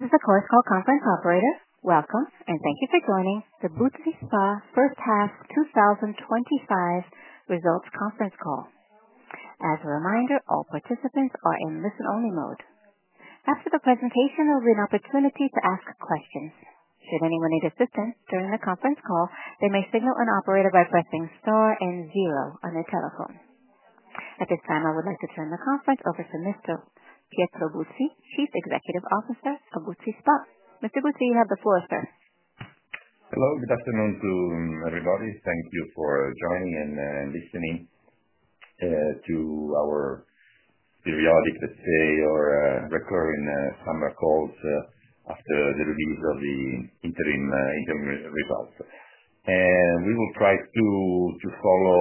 This is Chorus Call conference operator. Welcome and thank you for joining the Buzzi S.p.A. Fir st Half 2025 Results Conference Call. As a reminder, all participants are in listen-only mode. After the presentation, there will be an opportunity to ask questions. Should anyone need assistance during the conference call, they may signal an operator by pressing star and zero on their telephone. At this time, I would like to turn the conference over to Mr. Pietro Buzzi, Chief Executive Officer for Buzzi S.p.A. Mr. Buzzi, you have the floor sir. Hello, good afternoon to everybody. Thank you for joining and listening to our periodic, let's say, or recurring summer calls after the release of the interim results. We will try to follow,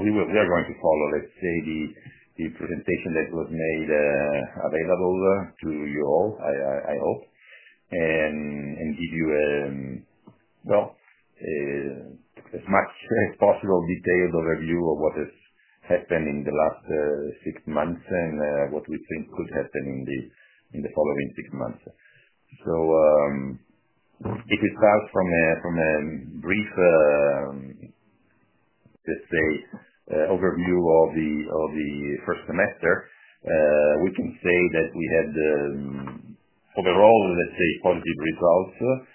or we are going to follow, let's say, the presentation that was made available to you all, I hope, and give you, as much as possible, detailed overview of what has happened in the last six months and what we think could happen in the following six months. If it starts from a brief, let's say, overview of the first semester, we can say that we had overall, let's say, quality results,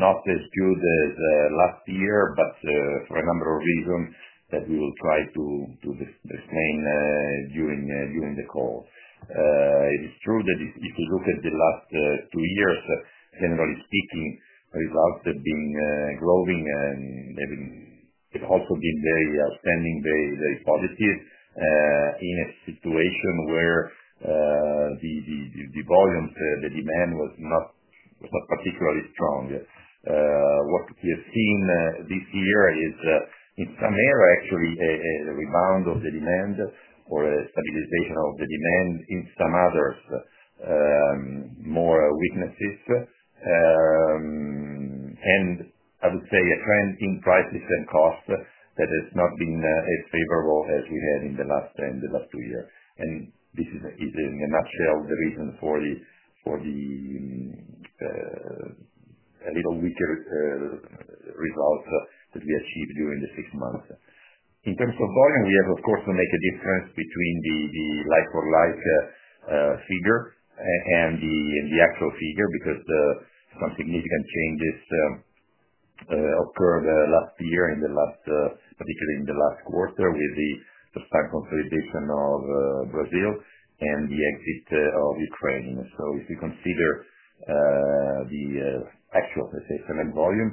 not as good as last year, but for a number of reasons that we will try to explain during the call. It is true that if you look at the last two years, generally speaking, results have been growing and they've also been very outstanding, very, very positive, in a situation where the volume, the demand was not particularly strong. What we have seen this year is in some areas, actually, a rebound of the demand or a stabilization of the demand. In some others, more weaknesses. I would say a trend in prices and costs that has not been as favorable as we had in the last two years. This is, in a nutshell, the reason for the a little weaker results that we achieved during the six months. In terms of volume, yes, of course, we make a difference between the like-for-like figure and the actual figure because some significant changes occurred last year and particularly in the last quarter with the substantial acquisition of Brazil and the exit of Ukraine. If you consider the actual, let's say, summer volume,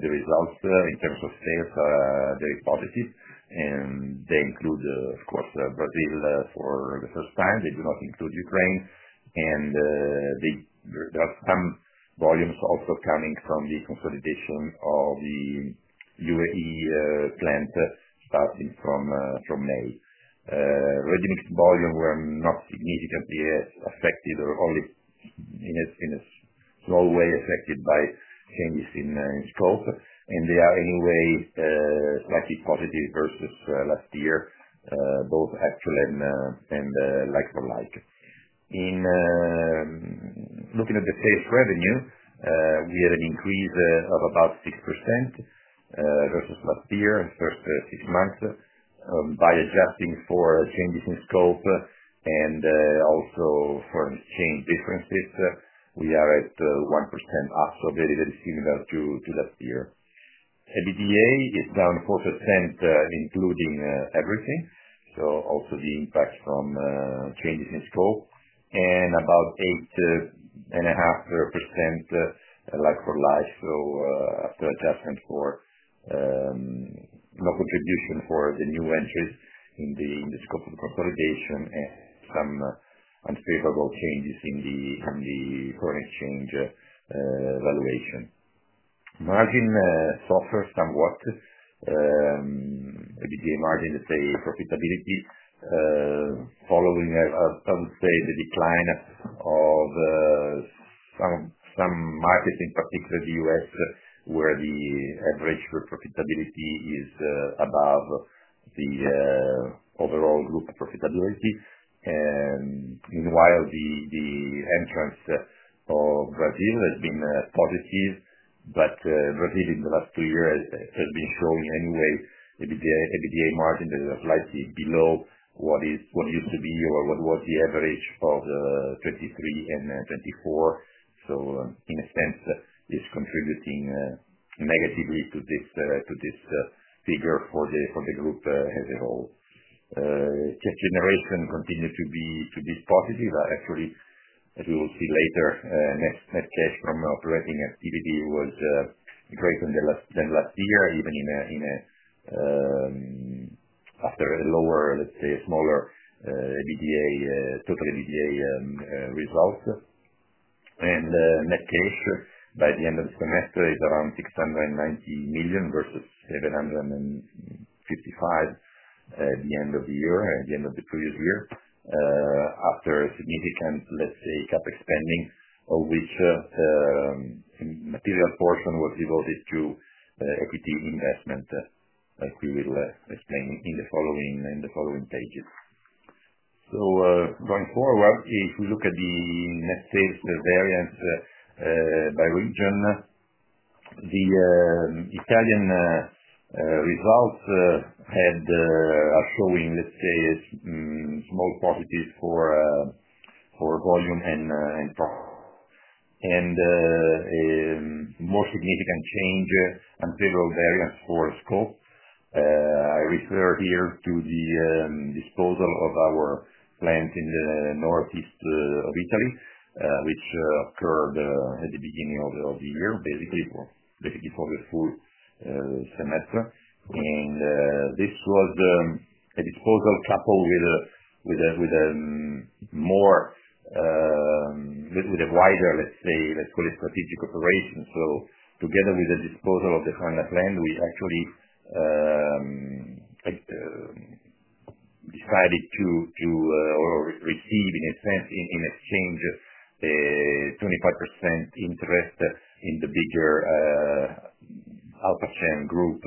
the results in terms of sales, they're positive. They include, of course, Brazil for the first time. They do not include Ukraine. There are some volumes also coming from the consolidation of the UAE plant starting from May. Resident volumes were not significantly affected or only in a small way affected by changes in scope. They are anyway slightly positive versus last year, both actual and like-for-like. Looking at the sales revenue, we had an increase of about 6% versus last year and first six months. By adjusting for changes in scope and also for change differences, we are at 1% after, very, very similar to last year. EBITDA is down 4%, including everything, so also the impacts from changes in scope. About 8.5% like-for-like, so after adjustment for no contribution for the new entries in the scope of the consolidation and some unfavorable changes in the foreign exchange valuation. Margin softer somewhat. EBITDA margin, let's say, profitability, following a some stage decline of some markets, in particular the U.S., where the average profitability is above the overall group profitability. Meanwhile, the entrance of Brazil has been positive. Brazil, in the last two years, has been showing anyway EBITDA margin that is slightly below what used to be or what was the average of 2023 and 2024. In a sense, it's contributing negatively to this figure for the group as a whole. Cash generation continues to be positive. Actually, as we will see later, net cash from operating activity was greater than last year, even after a lower, let's say, smaller total EBITDA results. Net cash by the end of the semester is around 690 million versus 755 million at the end of the previous year, after a significant, let's say, CapEx spending, of which a material portion was devoted to equity investments, like we will explain in the following pages. Going forward, if we look at the net sales variance by region, the Italian results are showing, let's say, small positives for volume and more significant change and favorable variance for scope. I refer here to the disposal of our plant in the northeast of Italy, which occurred at the beginning of the year, basically for the full semester. This was a disposal coupled with a wider, let's say, let's call it strategic operation. Together with the disposal of the Fanna plant, we actually decided to receive, in a sense, in exchange, a 25% interest in the bigger Alpacem Group,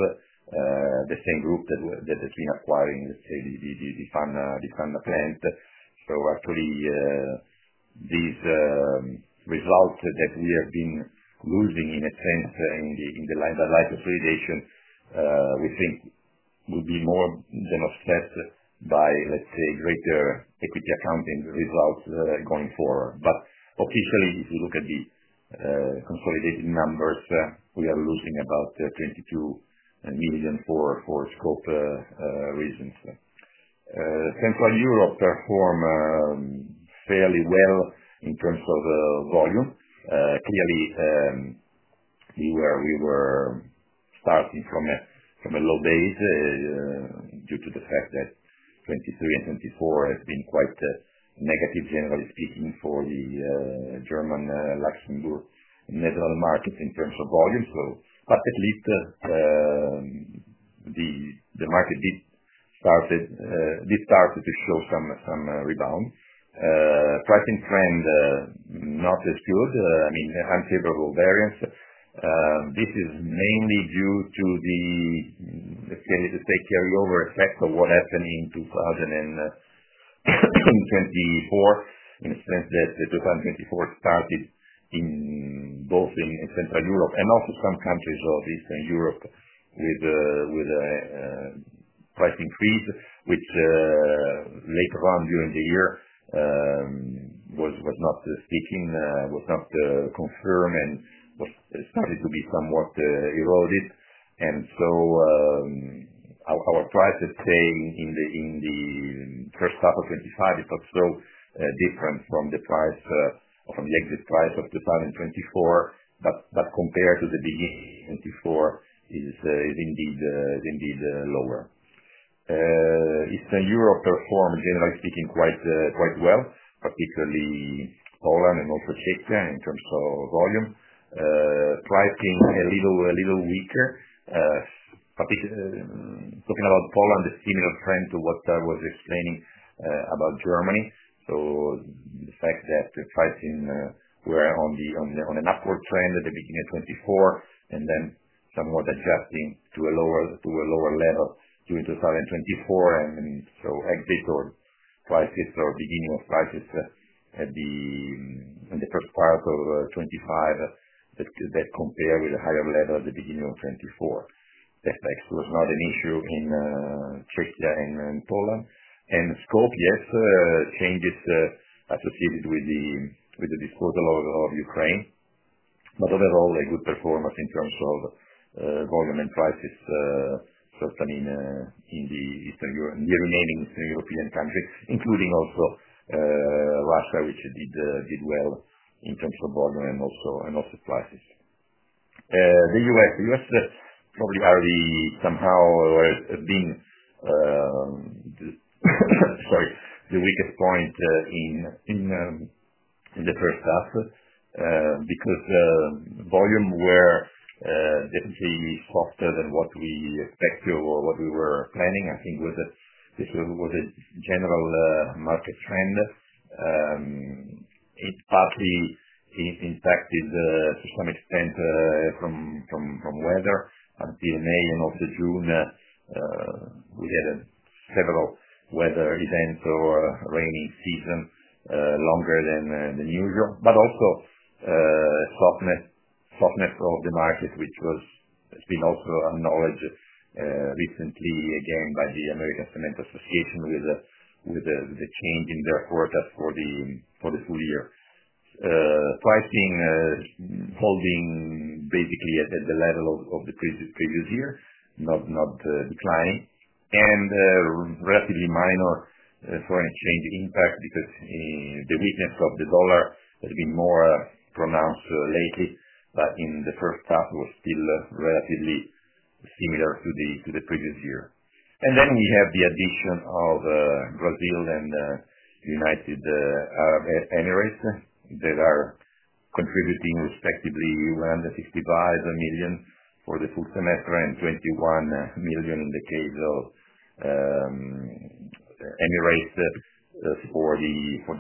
the same group that has been acquiring, let's say, the Fanna plant. These results that we have been losing in a sense in the line by line consolidation, we think would be more than offset by, let's say, greater equity accounting results going forward. Officially, if you look at the consolidated numbers, we are losing about 22 million for scope reasons. Central Europe performed fairly well in terms of volume. Clearly, we were starting from a low base due to the fact that 2023 and 2024 have been quite negative, generally speaking, for the German, Luxembourg, and Netherlands markets in terms of volume. At least the market did start to show some rebound. Pricing trend, not as good. I mean, unfavorable variance. This is mainly due to the, let's say, carryover effects of what happened in 2024, in the sense that 2024 started in both Central Europe and also some countries of Eastern Europe with pricing freeze, which later on during the year was not sticking, was not confirmed, and was starting to be somewhat eroded. Our price staying in the first half of 2025 is not so different from the price from the exit price of 2024. Compared to the beginning of 2024, it is indeed lower. Eastern Europe performed, generally speaking, quite well, particularly Poland and also Czech in terms of volume. Pricing a little weaker. Talking about Poland, a similar trend to what I was explaining about Germany. The fact that pricing were on an upward trend at the beginning of 2024 and then somewhat adjusting to a lower level during 2024. Exit or prices or beginning of prices at the first part of 2025 that compare with a higher level at the beginning of 2024. That was not an issue in Czech and Poland. Scope, yes, changes associated with the disposal of Ukraine. Overall, a good performance in terms of volume and prices happening in Eastern Europe, in the remaining European countries, including also Russia, which did well in terms of volume and also prices. The U.S. probably already somehow has been the weakest point in the first half because volume were definitely softer than what we expected or what we were planning. I think it was a general market trend. It partly is impacted to some extent from weather. Until the end of June, we had a favorable weather event or rainy season longer than usual. Also a softness for the market, which has been also acknowledged recently again by the American Financial Association with the change in their quotas for the full year. Pricing holding basically at the level of the previous year, not declining. Relatively minor foreign exchange impact because the weakness of the dollar has been more pronounced lately. In the first half, it was still relatively similar to the previous year. We have the addition of Brazil and the United Arab Emirates that are contributing respectively 165 million for the full semester and 21 million in the case of Emirates for the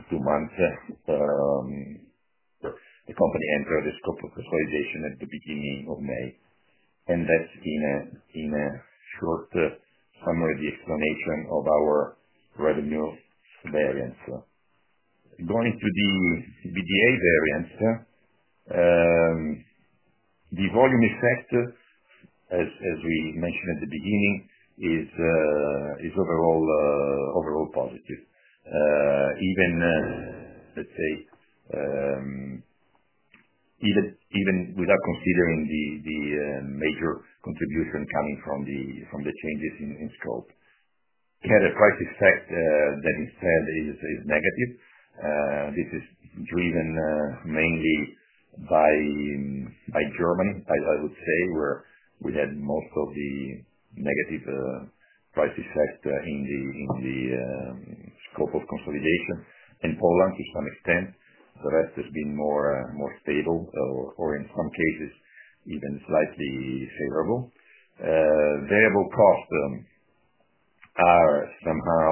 two months. The company entered the scope of consolidation at the beginning of May. That's in a short summary, the explanation of our revenue variance. Going to the EBITDA variance, the volume effect, as we mentioned at the beginning, is overall positive, even without considering the major contribution coming from the changes in scope. The other price effect instead is negative. This is driven mainly by Germany, I would say, where we had most of the negative price effect in the scope of consolidation, and Poland to some extent. The rest has been more stable or in some cases even slightly favorable. Variable costs are somehow,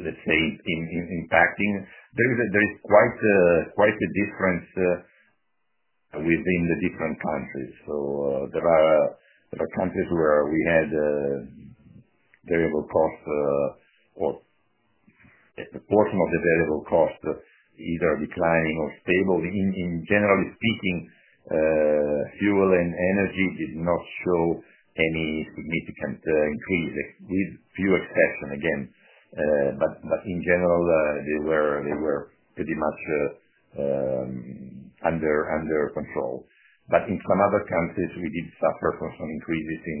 let's say, impacting. There is quite a difference within the different countries. There are countries where we had a variable cost or a portion of the variable cost either declining or stable. Generally speaking, fuel and energy did not show any significant increase, with few exceptions, again. In general, they were pretty much under control. In some other countries, we did suffer from some increases in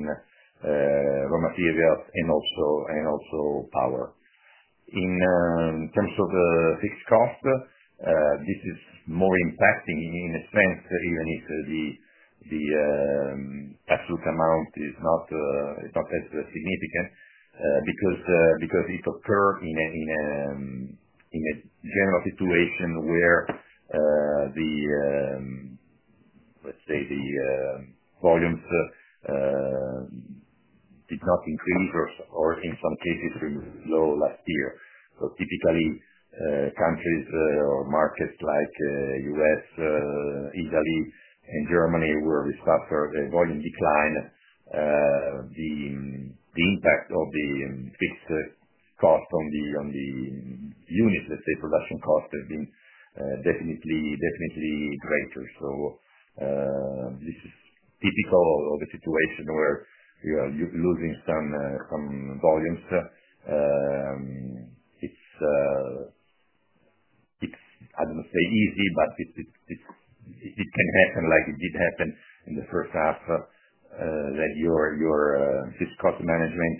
raw materials and also power. In terms of fixed costs, this is more impacting in expense, even if the absolute amount is not as significant because it occurred in a general situation where, let's say, the volumes did not increase or in some cases were low last year. Typically, countries or markets like the U.S., Italy, and Germany were suffering a volume decline. The impact of the fixed cost on the units, let's say, production costs has been definitely, definitely greater. This is typical of the situation where you are losing some volumes. It's, I don't want to say easy, but it can happen like it did happen in the first half, that your fixed cost management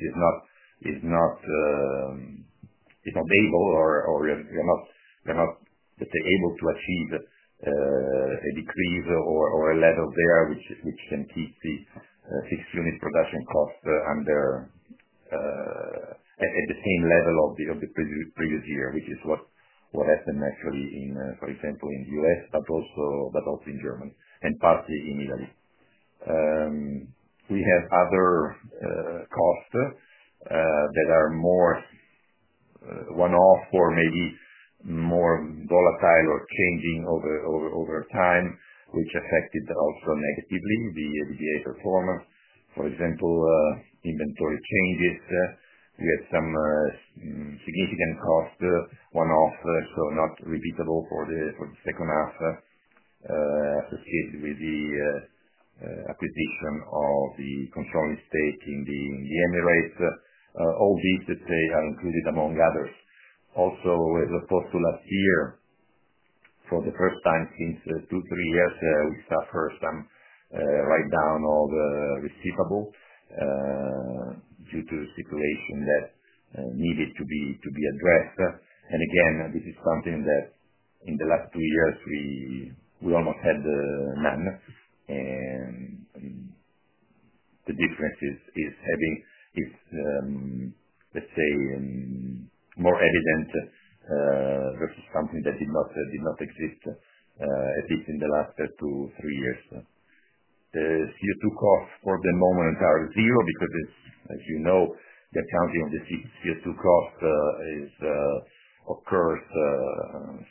is not available or you're not, let's say, able to achieve a decrease or a level there which can keep the fixed unit production costs at the same level of the previous year, which is what happened actually in, for example, in the U.S., but also in Germany and partly in Italy. We have other costs that are more one-off or maybe more volatile or changing over time, which affected also negatively the EBITDA performance. For example, inventory changes. We have some significant costs one-off, so not repeatable for the second half, associated with the acquisition of the controlling stake in the Emirates. All these, they are included among others. Also, as opposed to last year, for the first time since two, three years, we suffered some write-down of the receivable due to a situation that needed to be addressed. Again, this is something that in the last two years, we almost had none. The difference is having, let's say, more evident versus something that did not exist at least in the last two, three years. The CO₂ costs for the moment are zero because, as you know, the accounting of the CO₂ costs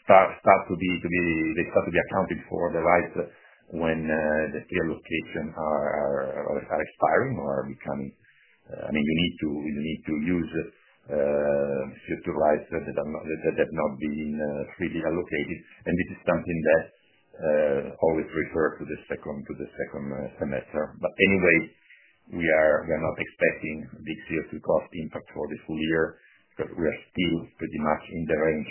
starts to be accounted for when the CO₂ allocations are expiring or becoming, I mean, you need to use CO₂ licenses that have not been fully allocated. This is something that always refers to the second semester. We are not expecting the CO₂ cost impact for the full year, but we are still pretty much in the range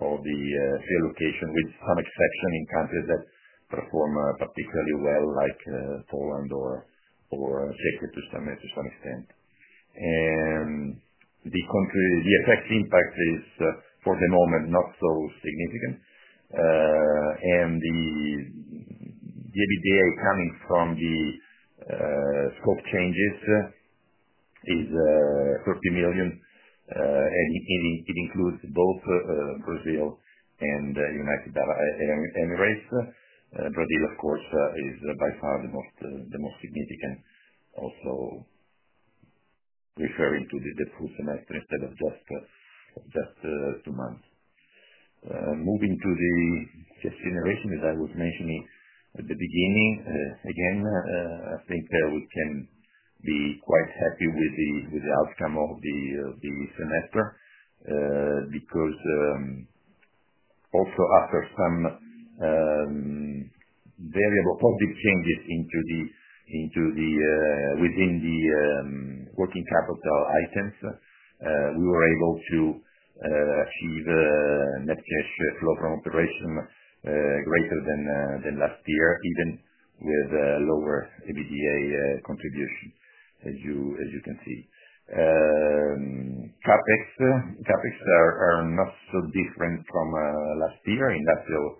of the allocation, with some exception in countries that perform particularly well, like Poland or, let's say, Czech to some extent. The effect impact is for the moment not so significant. The EBITDA coming from the scope changes is 30 million. It includes both Brazil and the United Arab Emirates. Brazil, of course, is by far the most significant, also referring to the full semester instead of just two months. Moving to the cash generation, as I was mentioning at the beginning, again, I think we can be quite happy with the outcome of the semester because also after some variable positive changes within the working capital items, we were able to achieve net cash flow from operations greater than last year, even with a lower EBITDA contribution, as you can see. CapEx are not so different from last year in national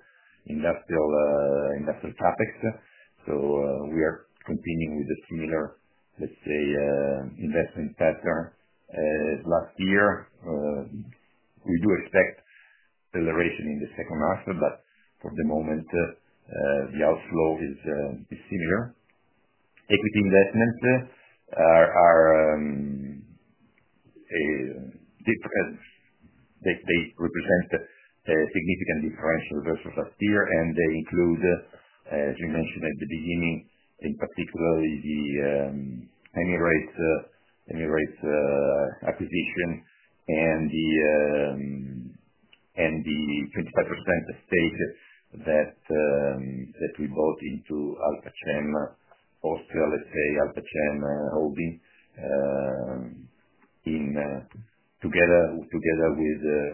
CapEx. We are continuing with a similar, let's say, investment pattern as last year. We do expect acceleration in the second half, but for the moment, the outflow is similar. Equity investments represent a significant differential versus last year, and they include, as we mentioned at the beginning, in particular, the Emirates acquisition and the 25% stake that we bought into Alpacem Group, let's say, Alpacem, together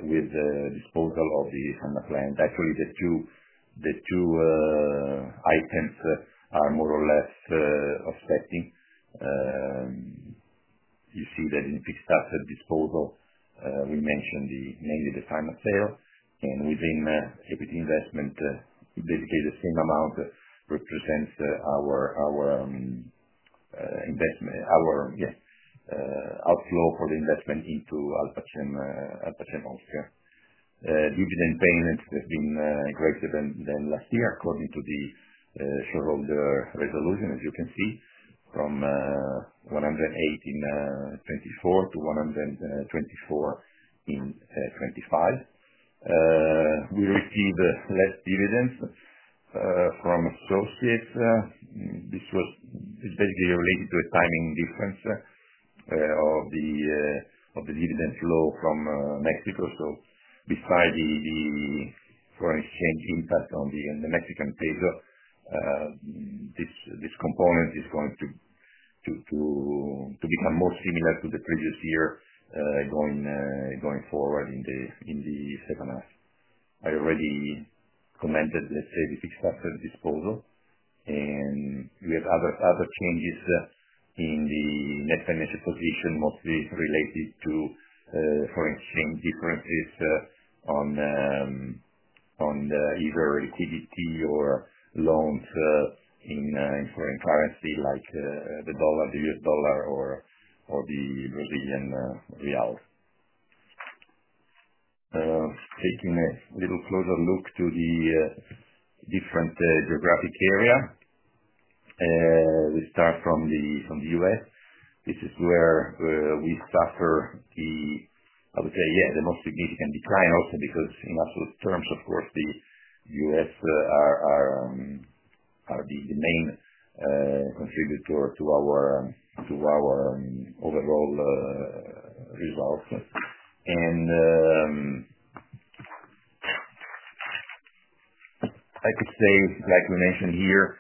with the disposal of the Fanna plant. Actually, the two items are more or less offsetting. You see that in the fixed asset disposal, we mentioned the negative final sale. Within equity investment, basically, the same amount represents our outflow for the investment into Alpacem Austria. Dividend payments have been greater than last year, according to the shareholder resolution, as you can see, from 108 million in 2024 to 124 million in 2025. We received less dividends from closed sales. This is basically related to a timing difference of the dividends flow from Mexico. Besides the foreign exchange impact on the Mexican peso, this component is going to become more similar to the previous year going forward in the second half. I already commented, let's say, the fixed asset disposal. We have other changes in the net financial condition, mostly related to foreign exchange differences on either liquidity or loans in foreign currency, like the U.S. dollar or the Brazilian reals. Taking a little closer look to the different geographic area, we start from the U.S. This is where we suffer the, I would say, the most significant decline also because in absolute terms, of course, the U.S. are the main contributor to our overall results. I could say, like I mentioned here,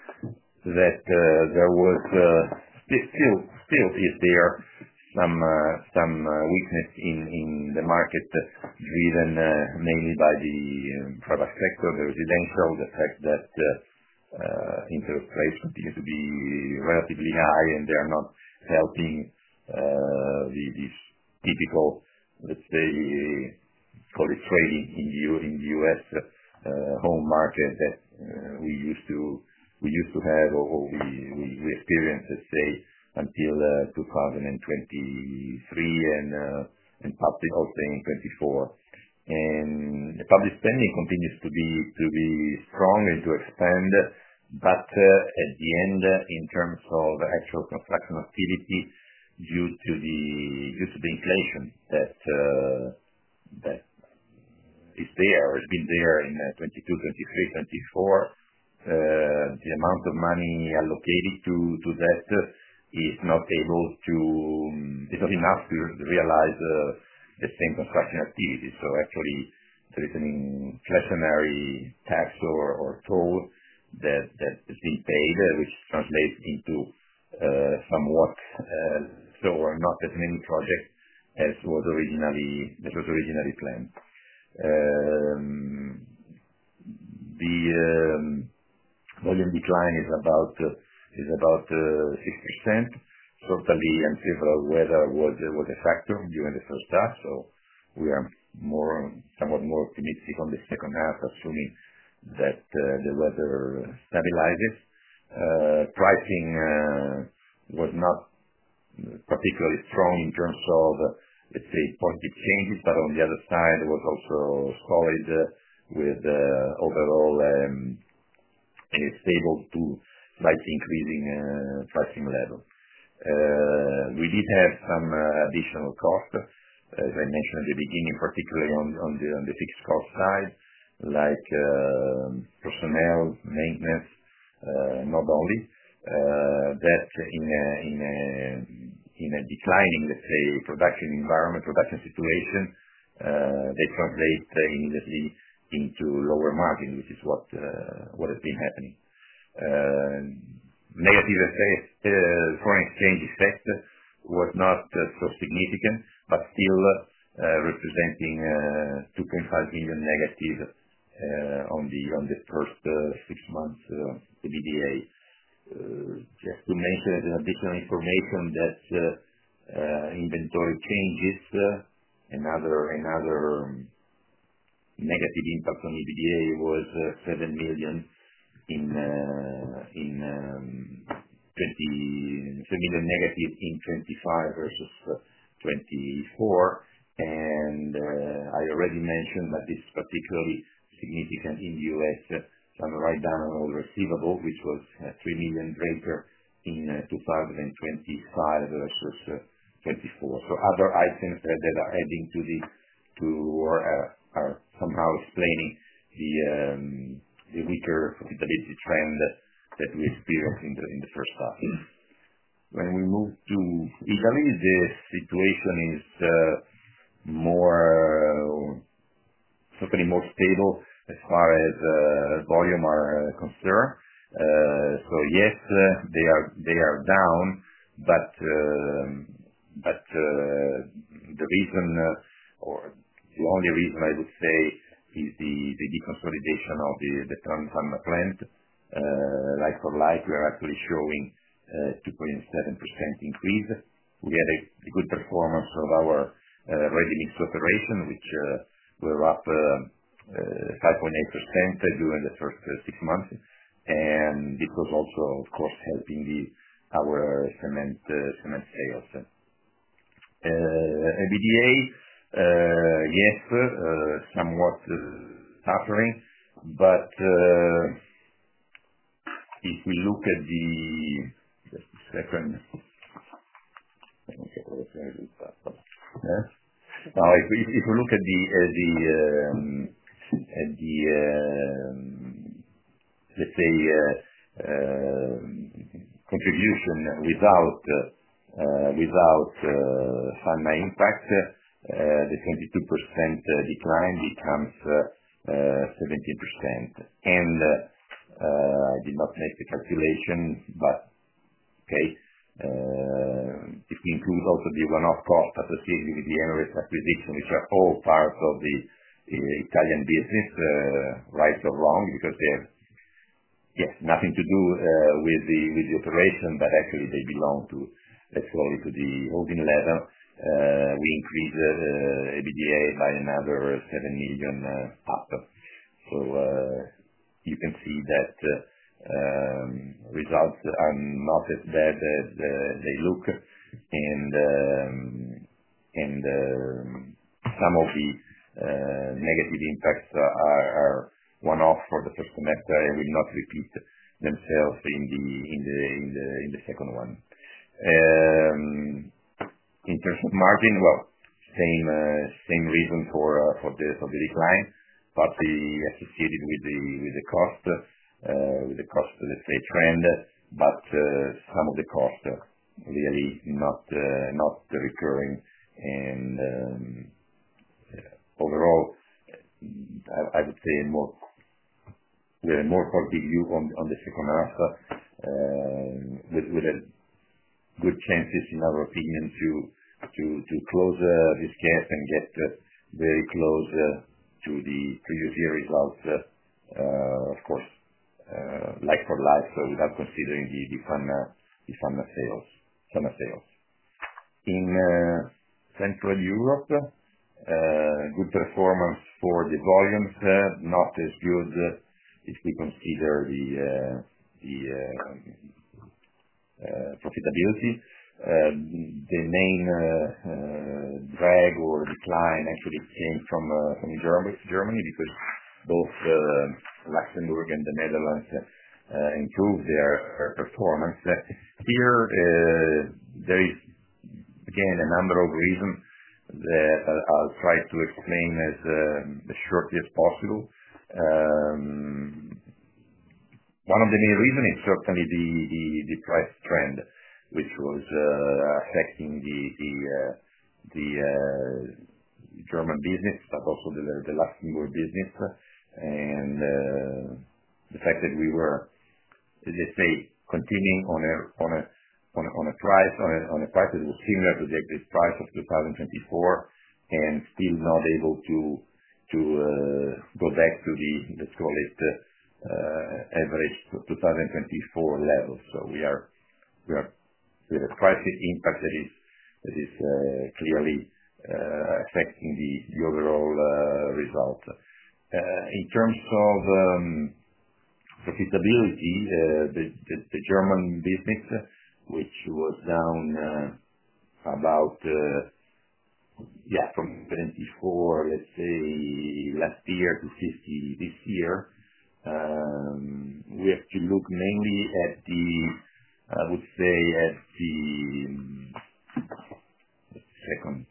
that there was still, still is there some weakness in the market driven mainly by the private sector, the residential, the fact that interest rates continue to be relatively high and they're not helping the typical, let's say, call it trading in the U.S. home market that we used to have or we experienced, let's say, until 2023 and probably hopefully in 2024. The public spending continues to be strong and to expand. At the end, in terms of actual construction activity, due to the inflation that is there, has been there in 2022, 2023, 2024, the amount of money allocated to that is not able to, is not enough to realize the same construction activities. Actually, there is an inflationary tax or toll that is being paid, which translates into somewhat slower not getting any projects as was originally planned. The volume decline is about 6%. Totally, and several weather was a factor during the first half. We are somewhat more optimistic on the second half, assuming that the weather stabilizes. Pricing was not particularly strong in terms of, let's say, positive changes, but on the other side, it was also solid with overall stable to slightly increasing pricing level. We did have some additional costs, as I mentioned at the beginning, particularly on the fixed cost side, like personnel, maintenance, not only. That's in a declining, let's say, production environment, production situation that translates immediately into lower margin, which is what has been happening. Negative effects, foreign exchange effects was not so significant, but still representing 2.5 million negative on the first six months EBITDA. Just to make a decline information that inventory changes, another negative impact on EBITDA was 7 million negative in 2025 versus 2024. I already mentioned, but this is particularly significant in the U.S., some write-down of receivables, which was 3 million greater in 2025 versus 2024. Other items are adding to this or are somehow explaining the weaker profitability trend that we experienced in the first half. When we move to Italy, the situation is certainly more stable as far as volumes are concerned. Yes, they are down, but the reason, or the only reason I would say, is the deconsolidation of the Fanna plant. Like-for-like, we are actually showing a 2.7% increase. We had a good performance of our revenue operation, which was up 5.8% during the first six months. This was also, of course, helping our cement sales. EBITDA, yes, somewhat suffering. If we look at the second, let's try to move faster. Now, if we look at the, let's say, contribution without final impact, the 22% decline becomes 17%. I did not take the calculations, but okay. This includes also the one-off costs associated with the Emirates acquisition, which are all parts of the Italian business, right or wrong, because they have, yes, nothing to do with the operation, but actually, they belong to, let's call it, to the holding level. We increased EBITDA by another 7 million parts. You can see that results are not as bad as they look. Some of the negative impacts are one-off for the first semester and will not repeat themselves in the second one. Interest margin, same reason for the decline, partly associated with the cost, with the cost, let's say, trend. Some of the costs really are not recurring. Overall, I would say a more positive view on the second half. This would have good chances, in our opinion, to close this gap and get very close to the previous year results, of course, like for last, without considering the final sales. In Central Europe, good performance for the volumes, not as good as we consider the profitability. The main drag or decline actually came from Germany because both Luxembourg and the Netherlands improved their performance. Here, there is again a number of reasons that I'll try to explain as shortly as possible. One of the main reasons is certainly the price trend, which was affecting the German business, but also the Luxembourg business. The fact that we were, let's say, continuing on a price that was similar to the exit price of 2024 and still not able to go back to the, let's call it, average 2024 level. We are priced impact that is clearly affecting the overall result. In terms of profitability, the German business, which was down about, yeah, from 24, let's say, last year to 60 this year, we have to look mainly at the, I would say, the second,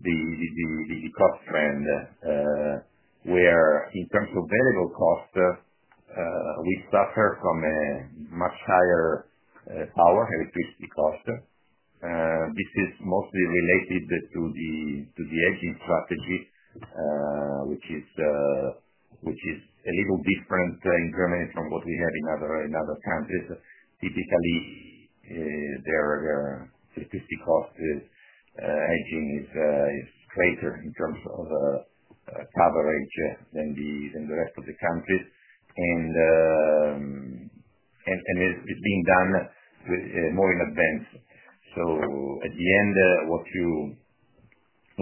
the cost trend, where in terms of variable costs, we suffer from a much higher power, electricity cost. This is mostly related to the hedging strategy, which is a little different in Germany from what we had in other countries. Typically, their electricity cost hedging is greater in terms of coverage than the rest of the countries, and it's being done more in advance. At the end, what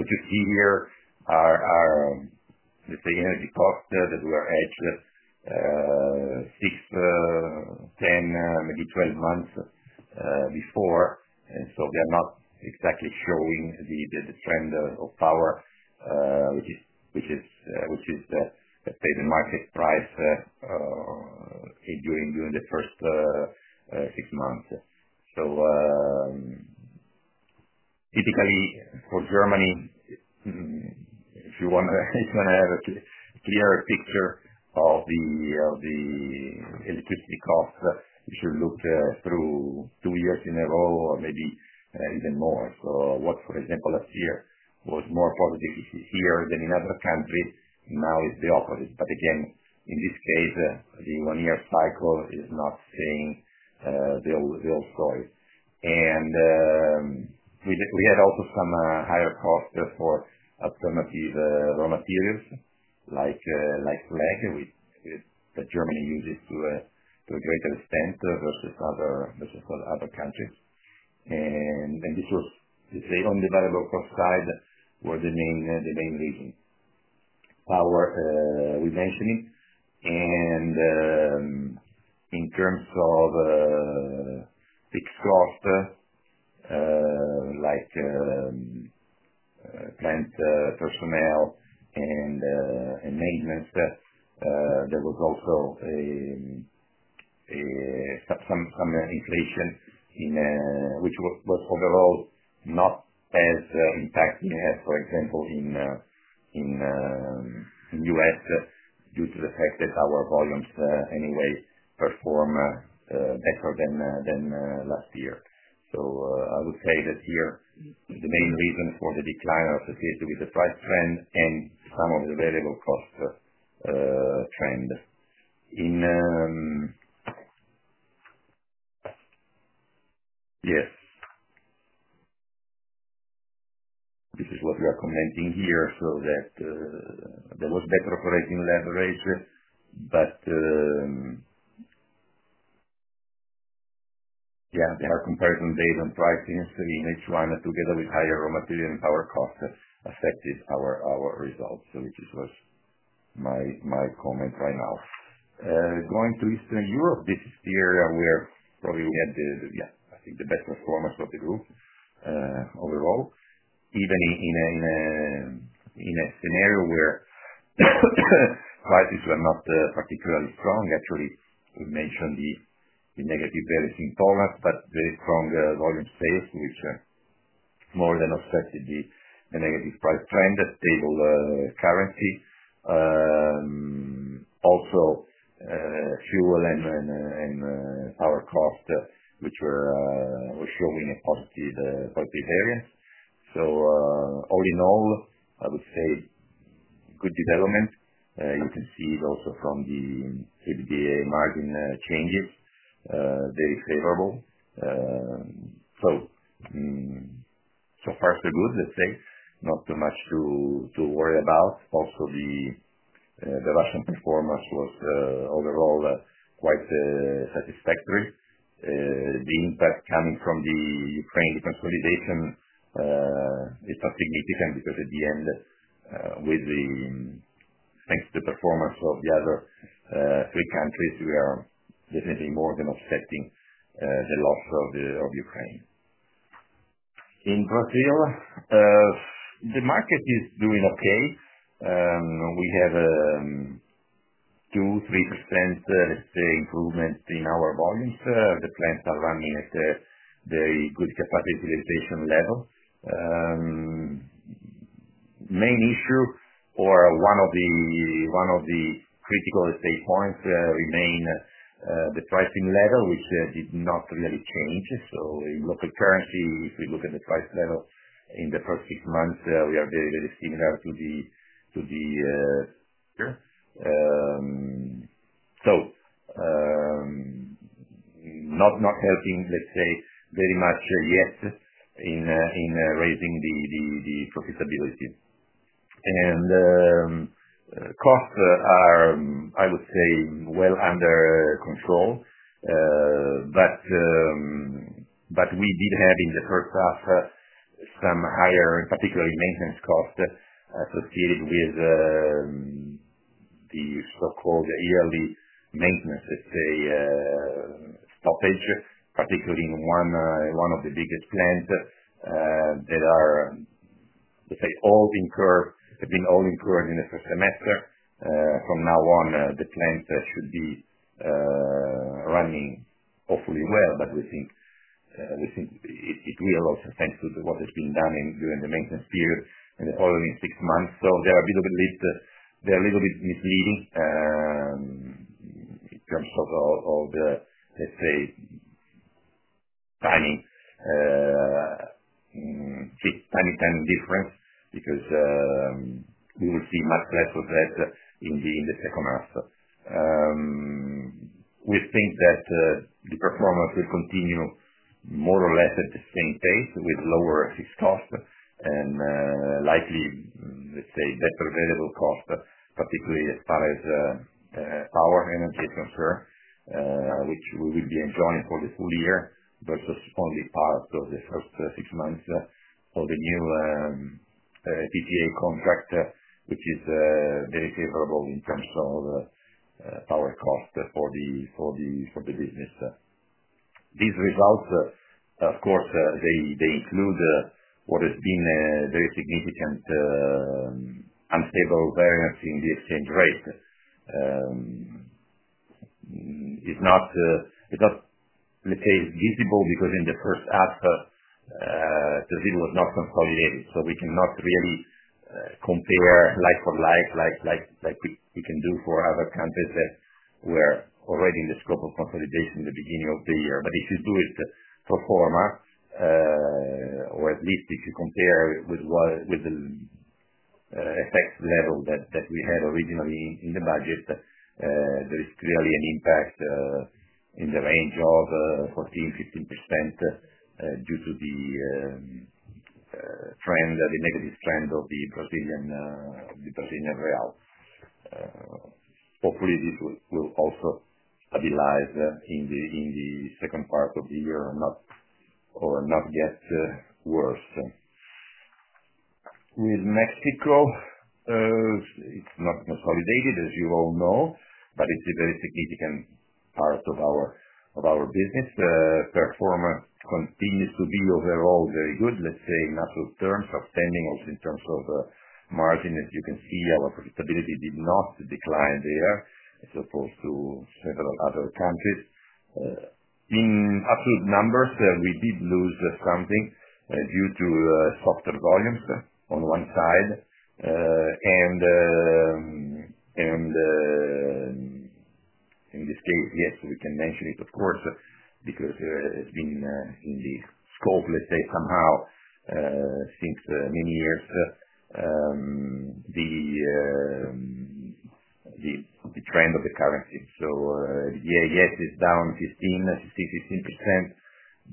you see here are, let's say, energy costs that were at 6, 10, maybe 12 months before, and they're not exactly showing the trend of power, which is, which is the, let's say, the market price during the first six months. Typically, for Germany, if you want to have a clearer picture of the electricity costs, you should look through two years in a row or maybe even more. For example, last year was more positive this year than in other countries, now is the opposite. In this case, the one-year cycle is not seeing the whole story. We had also some higher costs for alternative raw materials like slag, which Germany uses to a greater extent versus other countries. This was, let's say, on the variable cost side where the main reasons were power, as we mentioned. In terms of fixed costs, like plant personnel and maintenance, there was also some inflation, which was overall not as impacting as, for example, in the U.S. due to the fact that our volumes anyway perform better than last year. I would say that here, the main reason for the decline is associated with the price trend and some of the variable costs trend. This is what we are commenting here so that there was better operating leverage. Our comparison based on pricing in each one, together with higher raw material and power costs, affected our results, which is what my comment right now. Going to Eastern Europe, this is the area where probably we had the, yeah, I think the best performance of the group overall, even in a scenario where prices were not particularly strong. Actually, we mentioned the negative bearish in dollars, but very strong volume sales, which more than offset the negative price trend, the stable currency. Also, fuel and power costs, which were showing a positive variance. All in all, I would say with good developments. You can see also from the EBITDA margin changes, very favorable. So far so good, let's say. Not too much to worry about. Also, the last one performance was overall quite satisfactory. The impact coming from the Ukraine de-consolidation, it's not significant because at the end, with the performance of the other three countries, we are definitely more than offsetting the loss of Ukraine. In Brazil, the market is doing okay. We have 2%-3% improvement in our volumes. The plants are running at a very good capacity utilization level. Main issue or one of the critical stage points remain the pricing level, which did not really change. In local currency, if we look at the price level in the first six months, we are very, very similar to the... Not hurting, let's say, very much yes in raising the profitability. Costs are, I would say, well under control. We did have in the first half some higher, particularly maintenance costs associated with the so-called yearly maintenance stoppage, particularly in one of the biggest plants that are all incurred. They've been all incurred in the first semester. From now on, the plants should be running hopefully well, but we think it will also thanks to what has been done during the maintenance period and the following six months. They are a little bit misleading in terms of all the timing difference because we will see much less of that in the second half. We think that the performance will continue more or less at the same pace with lower fixed costs and likely better variable costs, particularly as far as power and energy is concerned, which we will be enjoying for the full year versus only part of the first six months of the new PTA contract, which is very favorable in terms of power costs for the business. These results, of course, include what has been a very significant unstable variance in the exchange rate. It's not visible because in the first half, it was not consolidated. We cannot really compare like-for-like as we can do for other countries that were already in the scope of consolidation in the beginning of the year. If you do it pro forma, or at least if you compare with the FX level that we had originally in the budget, there is clearly an impact in the range of 14%-15% due to the negative trend of the Brazilian real. Hopefully, this will also stabilize in the second part of the year or not get worse. With Mexico, it's not consolidated, as you all know, but it's a very significant part of our business. The performance continues to be overall very good, let's say, in absolute terms, outstanding also in terms of margin. As you can see, our profitability did not decline there as opposed to several other countries. In absolute numbers, we did lose something due to softer volumes on one side. This thing, yes, we can mention it, of course, because it's been in the scope, let's say, somehow since many years, the trend of the currency. EBITDA yet is down 15%,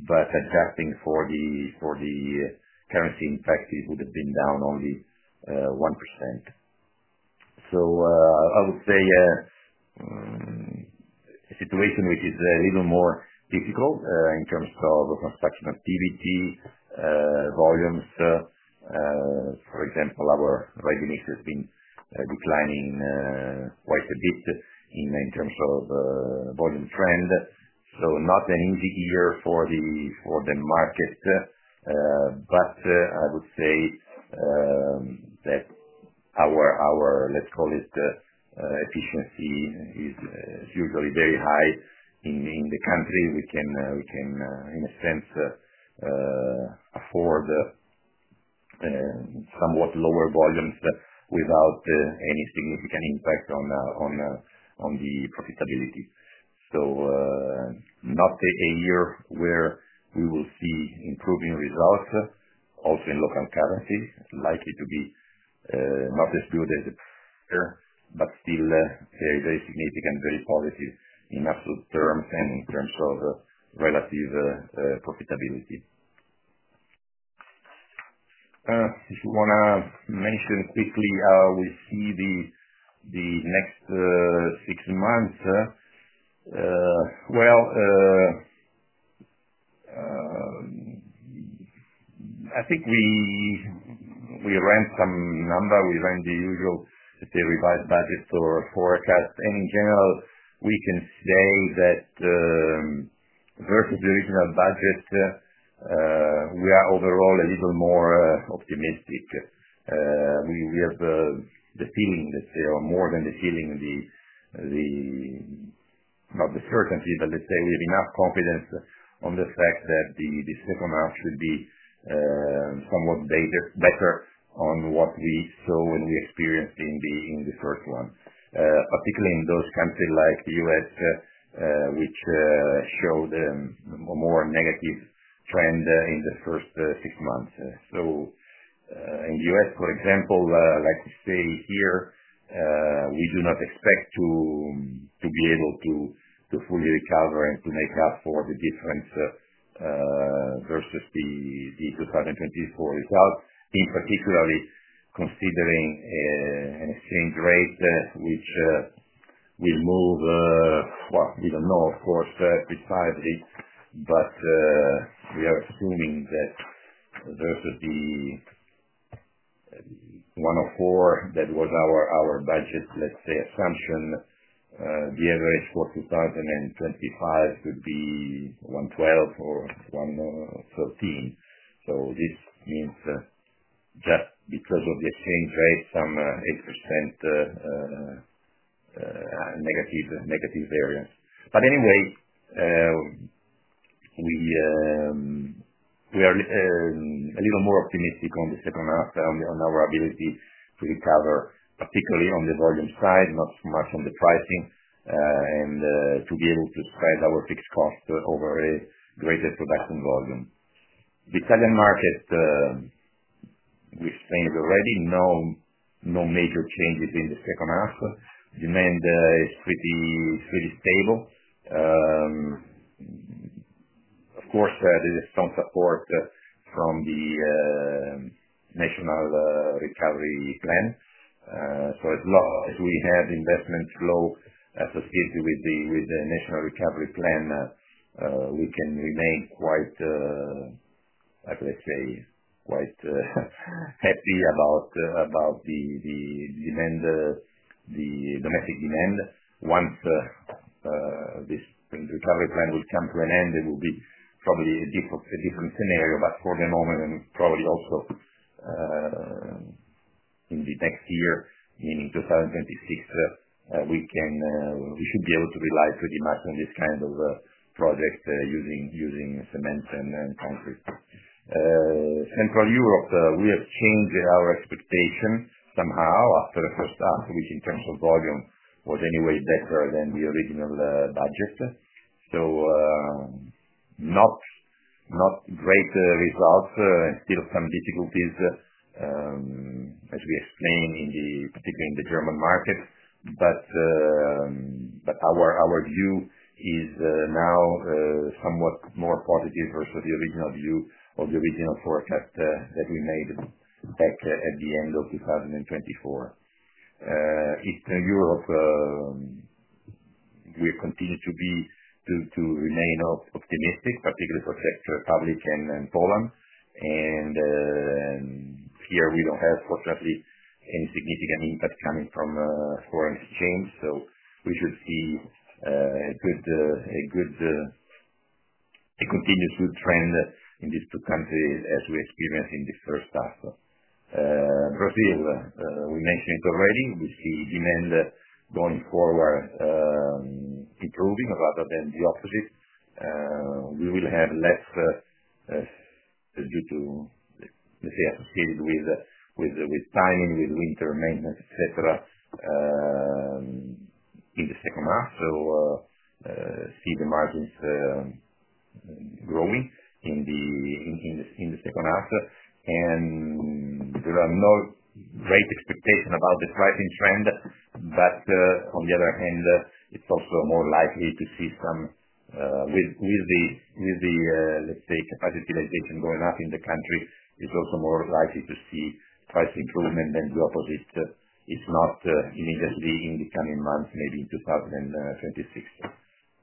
15%, but adjusting for the currency impact, it would have been down only 1%. I would say a situation which is a little more difficult in terms of construction activity, volumes. For example, our revenues have been declining quite a bit in terms of volume trend. Not an easy year for the market. I would say that our, let's call it, efficiency is usually very high in the country. We can, in a sense, afford somewhat lower volumes without any significant impact on the profitability. Not a year where we will see improving results, also in local currencies, likely to be not as good as it was, but still a very significant, very positive in absolute terms and in terms of relative profitability. If you want to mention quickly how we see the next six months, I think we ran some numbers. We ran the usual, let's say, revised budget or forecast. In general, we can say that versus the original budget, we are overall a little more optimistic. We have the feeling, let's say, or more than the feeling of the, not the certainty, but let's say we have enough confidence on the fact that the second half should be somewhat better on what we saw and we experienced in the first one, particularly in those countries like the U.S., which showed a more negative trend in the first six months. In the U.S., for example, like we say here, we do not expect to be able to fully recover and to make up for the difference versus the 2024 results, in particularly considering an exchange rate which will move, we don't know, of course, precisely. We are assuming that versus the 1.04 that was our budget, let's say, assumption, the average for 2025 could be 1.12 or 1.13. This means just because of the exchange rate, some 8% negative variance. But anyway, we are a little more optimistic on the second half on our ability to recover, particularly on the volume side, not so much on the pricing, and to be able to spread our fixed cost over a greater production volume. The Italian market, we've seen already no major changes in the second half. Demand is pretty stable. Of course, there is some support from the National Recovery Plan. For as long as we have investment flow associated with the National Recovery Plan, we can remain quite, I would say, quite happy about the domestic demand. Once this Recovery Plan will come to an end, it will be probably a different scenario. For the moment, and probably also in the next year, in 2026, we should be able to rely pretty much on this kind of project using cement and concrete. Central Europe, we have changed our expectation somehow after the first half, which in terms of volume was anyway better than the original budget. Not great results, still some difficulties, as we explained, particularly in the German market. Our view is now somewhat more positive versus the original view of the original forecast that we made at the end of 2024. Eastern Europe, we continue to remain optimistic, particularly for the sector public and Poland. Here, we don't have fortunately any significant impact coming from foreign exchange. We should see a good continuous good trend in these two countries as we experienced in the first half. Brazil, we mentioned it already. We see demand going forward improving rather than the opposite. We will have less due to, let's say, associated with timing, with winter maintenance, etc., in the second half. We see the margins growing in the second half. There are no great expectations about the pricing trend. On the other hand, it's also more likely to see some, with the, let's say, capacity utilization going up in the country, it's also more likely to see price improvement than the opposite. It's not immediately in the coming months, maybe in 2036.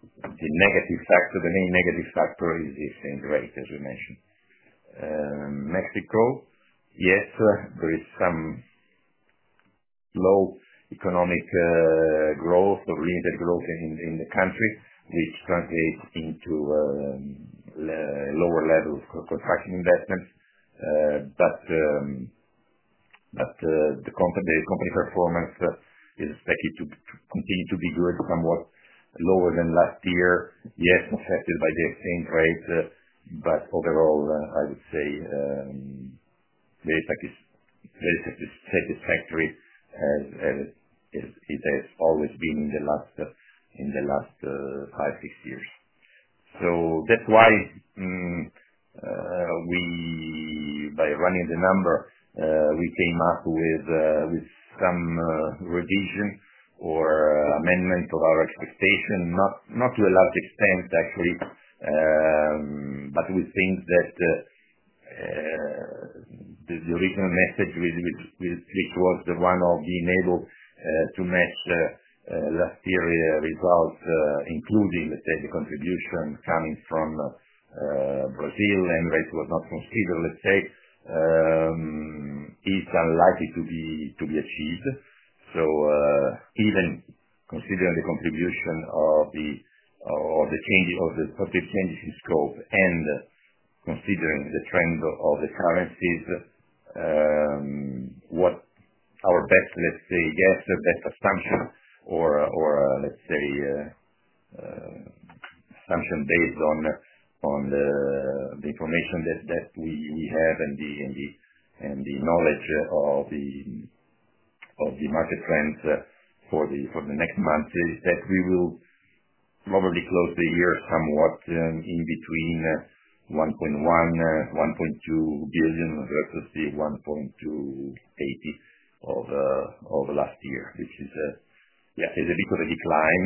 The main negative factor is the exchange rate, as we mentioned. Mexico, yes, with some low economic growth or limited growth in the country, which translates into lower levels of construction investments. The company performance is expected to continue to be good, somewhat lower than last year. Yes, affected by the exchange rate. Overall, I would say the impact is very satisfactory, as it has always been in the last five, six years. That's why by running the number, we came up with some revision or amendment of our expectation, not to a large extent, actually. We think that the original message really was the one of being able to match last year's results, including the contribution coming from Brazil. Emirates was not considered, let's say, is unlikely to be achieved. Even considering the contribution of the changes of the profitability scope and considering the trend of the currencies, what our best, let's say, guess, best assumption, or let's say, assumption based on the information that we have and the knowledge of the market trends for the next month is that we will probably close the year somewhat in between 1.1 billion, 1.2 billion versus the 1.280 billion of last year, which is, yeah, there's a bit of a decline.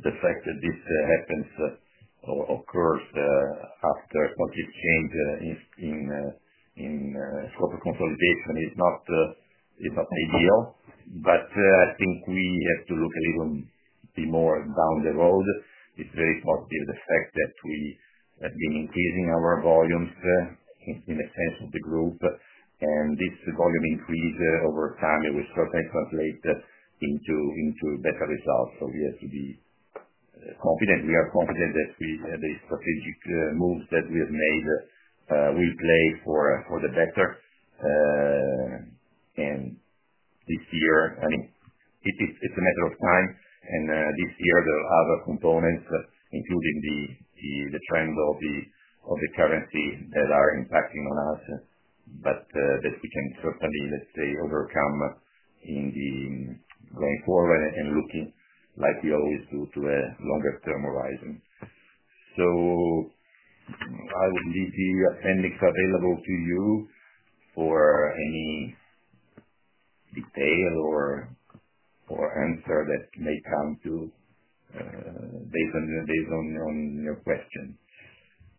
The fact that this happens or occurs after a positive change in scope of consolidation is not ideal. I think we have to look even more down the road. It's very positive the fact that we have been increasing our volumes in the sense of the group. This volume increase over time, it will perpetuate into better results. We have to be confident. We are confident that these strategic moves that we have made, we play for the better. This year, I mean, it's a matter of time. This year, there are other components, including the trends of the currency that are impacting on us. That we can certainly, let's say, overcome going forward and looking to a longer-term horizon. I would leave here appendix available to you for any detail or answer that may come to, based on your question.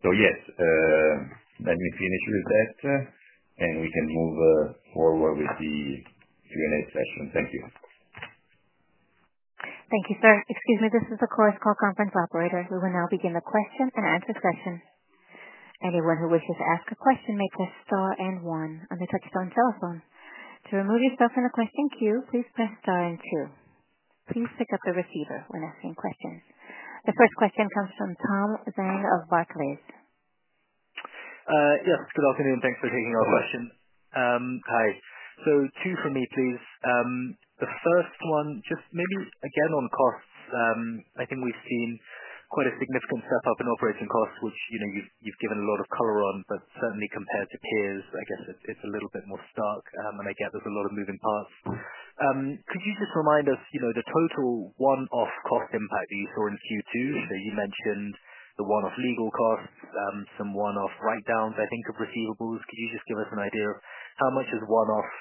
Let me finish with that and we can move forward with the Q&A session. Thank you. Thank you, sir. Excuse me. This is the Chorus Call conference operator. We will now begin the question-and-answer session. Anyone who wishes to ask a question may press star and one on the touchstone telephone. To remove yourself from the question queue, please press star and two. Please pick up the receiver when asking questions. The first question comes from Tom Zhang of Barclays. Yes. Good afternoon. Thanks for taking our question. Hi. Two for me, please. The first one, just maybe again on costs. I think we've seen quite a significant step up in operating costs, which you've given a lot of color on. Certainly, compared to peers, I guess it's a little bit more stark. I get there's a lot of moving parts. Could you just remind us, you know, the total one-off cost impact that you saw in Q2? You mentioned the one-off legal costs, some one-off write-downs, I think, of receivables. Could you just give us an idea of how much is one-off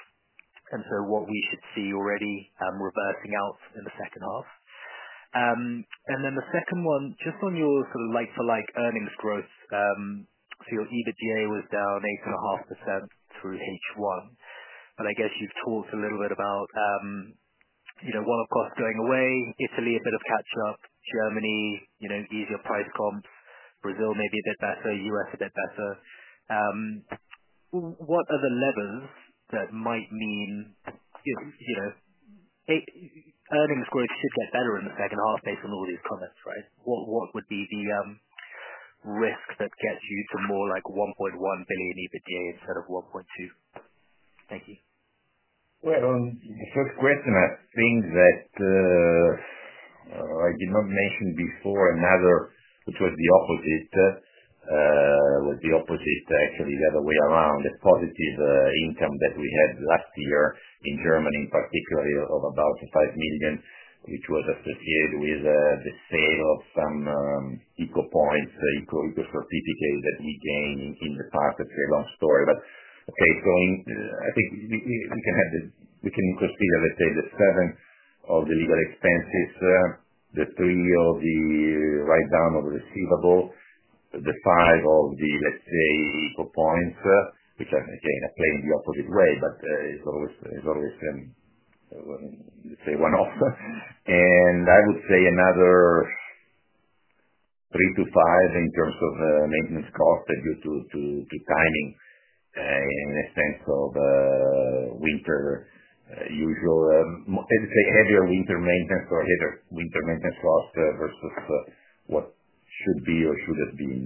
and what we should see already with everything else in the second half? The second one, just on your sort of like-for-like earnings growth. Your EBITDA was down 8.5% through H1. I guess you've talked a little bit about one-off costs going away, Italy, a bit of catch-up, Germany, easier price comp, Brazil maybe a bit better, U.S. a bit better. What are the levers that might mean earnings growth is a lot better in the second half based on all these comments, right? What would be the risk that gets you to more like 1.1 billion EBITDA instead of 1.2 billion? Thank you. On the first question, I think that I did not mention before another, which was the opposite. Was the opposite actually the other way around. The positive income that we had last year in Germany, particularly of about 5 million, which was associated with the sale of some eco points, eco certificates that we gained in the past. It's a long story. I think we can have this. We can consider, let's say, the 7 million of the legal expenses, the 3 million of the write-down of the receivable, the 5 million of the, let's say, eco points, which are again playing the opposite way, but it's always, let's say, one-off. I would say another 3 million to 5 million in terms of maintenance costs due to timing, in a sense of winter, usual, let's say, heavier winter maintenance or heavier winter maintenance costs versus what should be or should have been.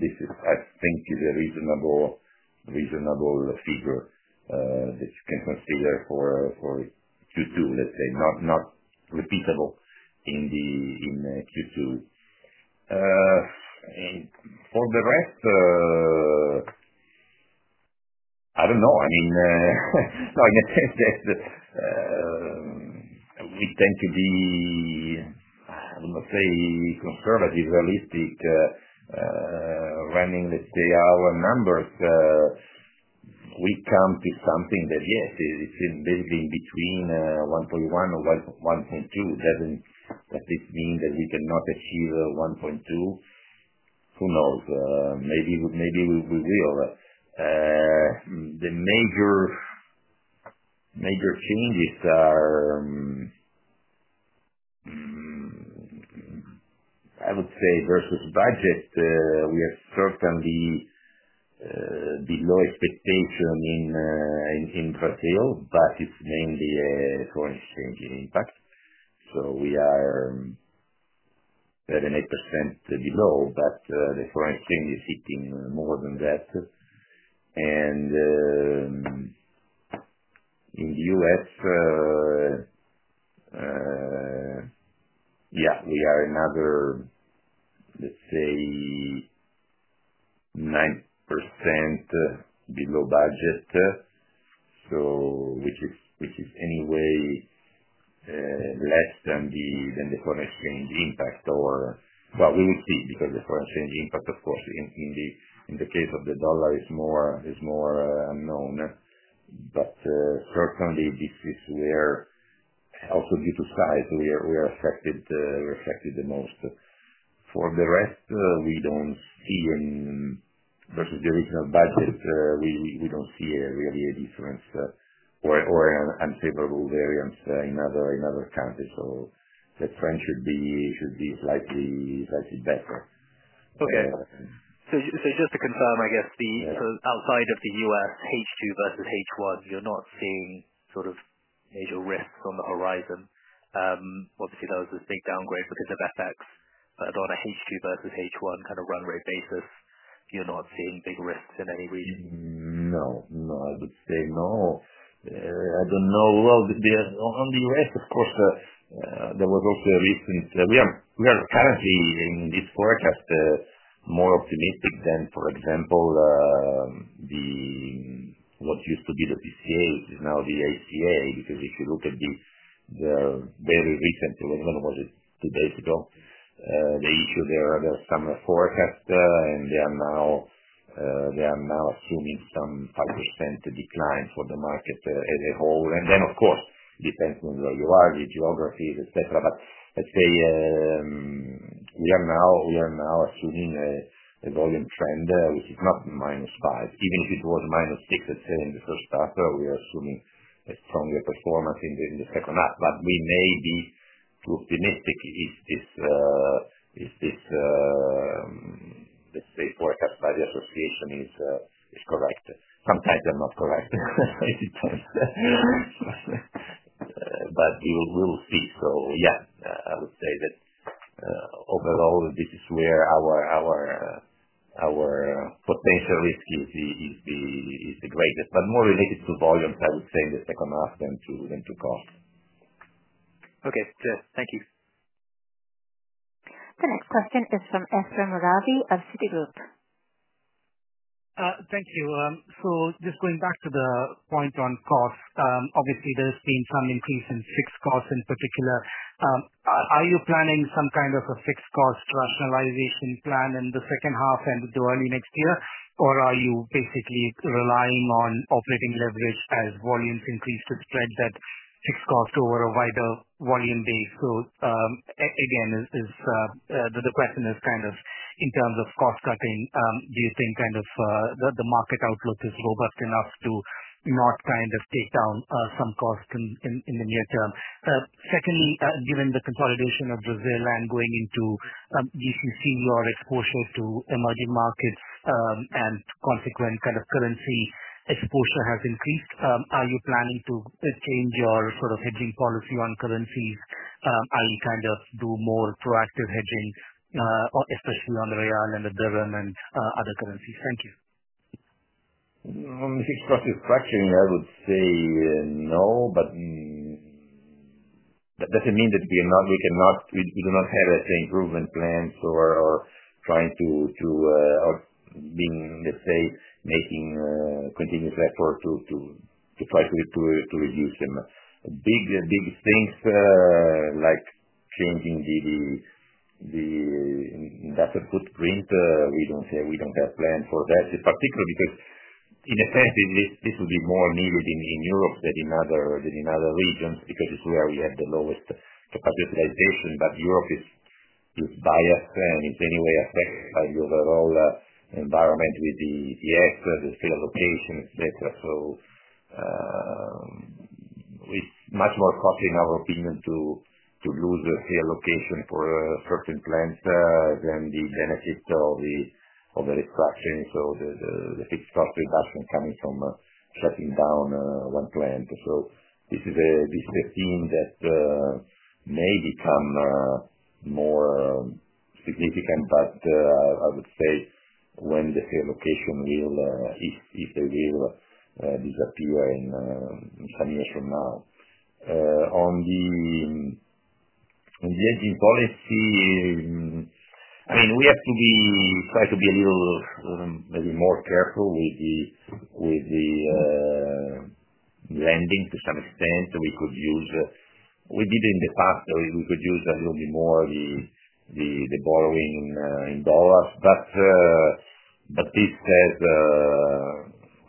This is, I think, is a reasonable figure that you can consider for Q2, let's say, not repeatable in Q2. For the rest, I don't know. I mean, I would tend to be, I'm going to say, conservative, realistic, running, let's say, our numbers. We come with something that, yes, it's maybe in between 1.1 billion or 1.2 billion. Doesn't that mean that we cannot achieve 1.2 billion? Who knows? Maybe we will. The major thing is our, I would say, versus budget, we are certainly below expectation in Brazil, but it's mainly a foreign exchange impact. We are at an 8% below, but the foreign exchange is hitting more than that. In the U.S., we are another, let's say, 9% below budget, which is anyway less than the foreign exchange impact. We would see because the foreign exchange impact, of course, in the case of the dollar, is more unknown. Certainly, this is where also due to price, we are affected the most. For the rest, we don't see even versus the original budget, we don't see really a difference or an unfavorable variance in other countries. The trend should be slightly better. Okay. Just to confirm, I guess outside of the U.S., H2 versus H1, you're not seeing sort of major risks on the horizon. Obviously, there was this big downgrade for the debt effects. On an H2 versus H1 kind of run rate basis, you're not seeing big risks in any region? No, no. I would say no. I don't know. There are only the rest, of course. There was also a recent, we are apparently in this forecast more optimistic than, for example, what used to be the PCA, which is now the ICO. If we look at the very recent, it was one or two days ago, they issued their other summer forecast and they are now assuming some 5% decline for the market as a whole. Of course, it depends on where you are, the geographies, etc. Let's say we are now assuming a volume trend, which is not minus 5%. Even if it was minus 6% or 7% in the first half, we are assuming a stronger performance in the second half. We may be optimistic if this, let's say, forecast by the appropriation is correct. Sometimes they're not correct, it depends. We will see. I would say that overall, this is where our potential risk is the greatest, but more related to volumes, I would say, in the second half than to cost. Okay, sure. Thank you. The next question is from Ephraim Ravi of Citigroup. Thank you. Just going back to the point on cost, obviously, there's been some increase in fixed costs in particular. Are you planning some kind of a fixed cost rationalization plan in the second half and the early next year? Are you basically relying on operating leverage as volumes increase to spread that fixed cost over a wider volume base? The question is in terms of cost cutting, do you think the market outlook is robust enough to not take down some cost in the near term? Second, given the consolidation of Brazil and going into ECC, your exposure to emerging markets and consequent currency exposure has increased. Are you planning to change your sort of hedging policy on currencies and do more proactive hedging, especially on the real and the dirham and other currencies? Thank you. If you're questioning, I would say no. That doesn't mean that we cannot, we do not have improvement plans or are trying to, or being, let's say, making a continuous effort to try to reduce them. Big, big things like changing the investment footprint, we don't say we don't have a plan for that. It's particular because, in effect, this would be more needed in Europe than in other regions because it's where we have the lowest capacity utilization. Europe is biased and is anyway affected by the overall environment with the ETFs. The sale location is better. It's much more costly, in our opinion, to lose a sale location for certain plants than the benefits of the destruction, so the fixed cost reduction coming from cutting down one plant. This is a theme that may become more significant. I would say when the sale location will, if they will disappear in some years from now. On the hedging policy, I mean, we have to try to be a little maybe more careful with the lending to some extent. We could use, we did in the past, so we could use a little bit more the borrowing in dollars. This says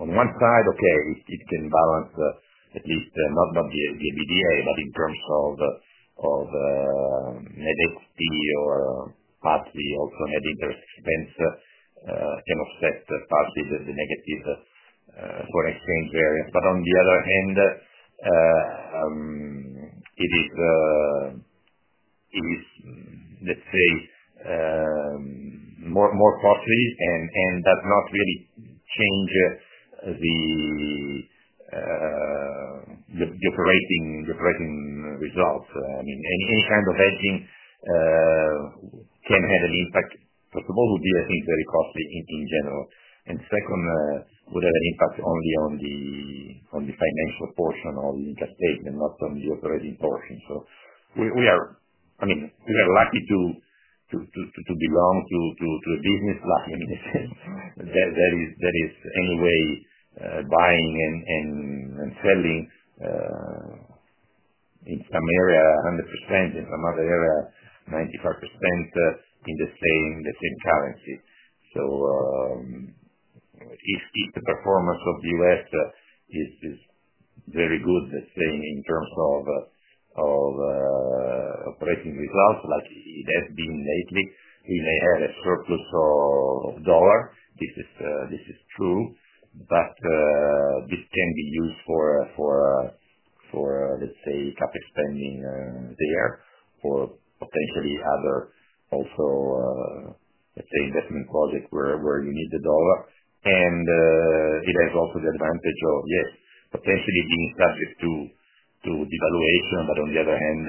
on one side, okay, it can balance at least not the EBITDA, but in terms of net equity or partly also net interest expense, can offset partly the negative forex change variance. On the other hand, it is, let's say, more costly and does not really change the operating results. Any kind of hedging can have an impact first of all, would be I think very costly in general. Second, would have an impact only on the financial portion of the interest rate and not on the operating portion. We are, I mean, we are lucky to be wrong to the business line. There is anyway buying and selling in some area 100% and some other area 95% in the same currency. If the performance of the U.S. is very good, let's say, in terms of operating results, like it has been lately, we may have a surplus of dollars. This is true. This can be used for, let's say, capital spending there or potentially other also, let's say, investment projects where you need the dollar. It has also the advantage of, yes, potentially being subject to devaluation, but on the other hand,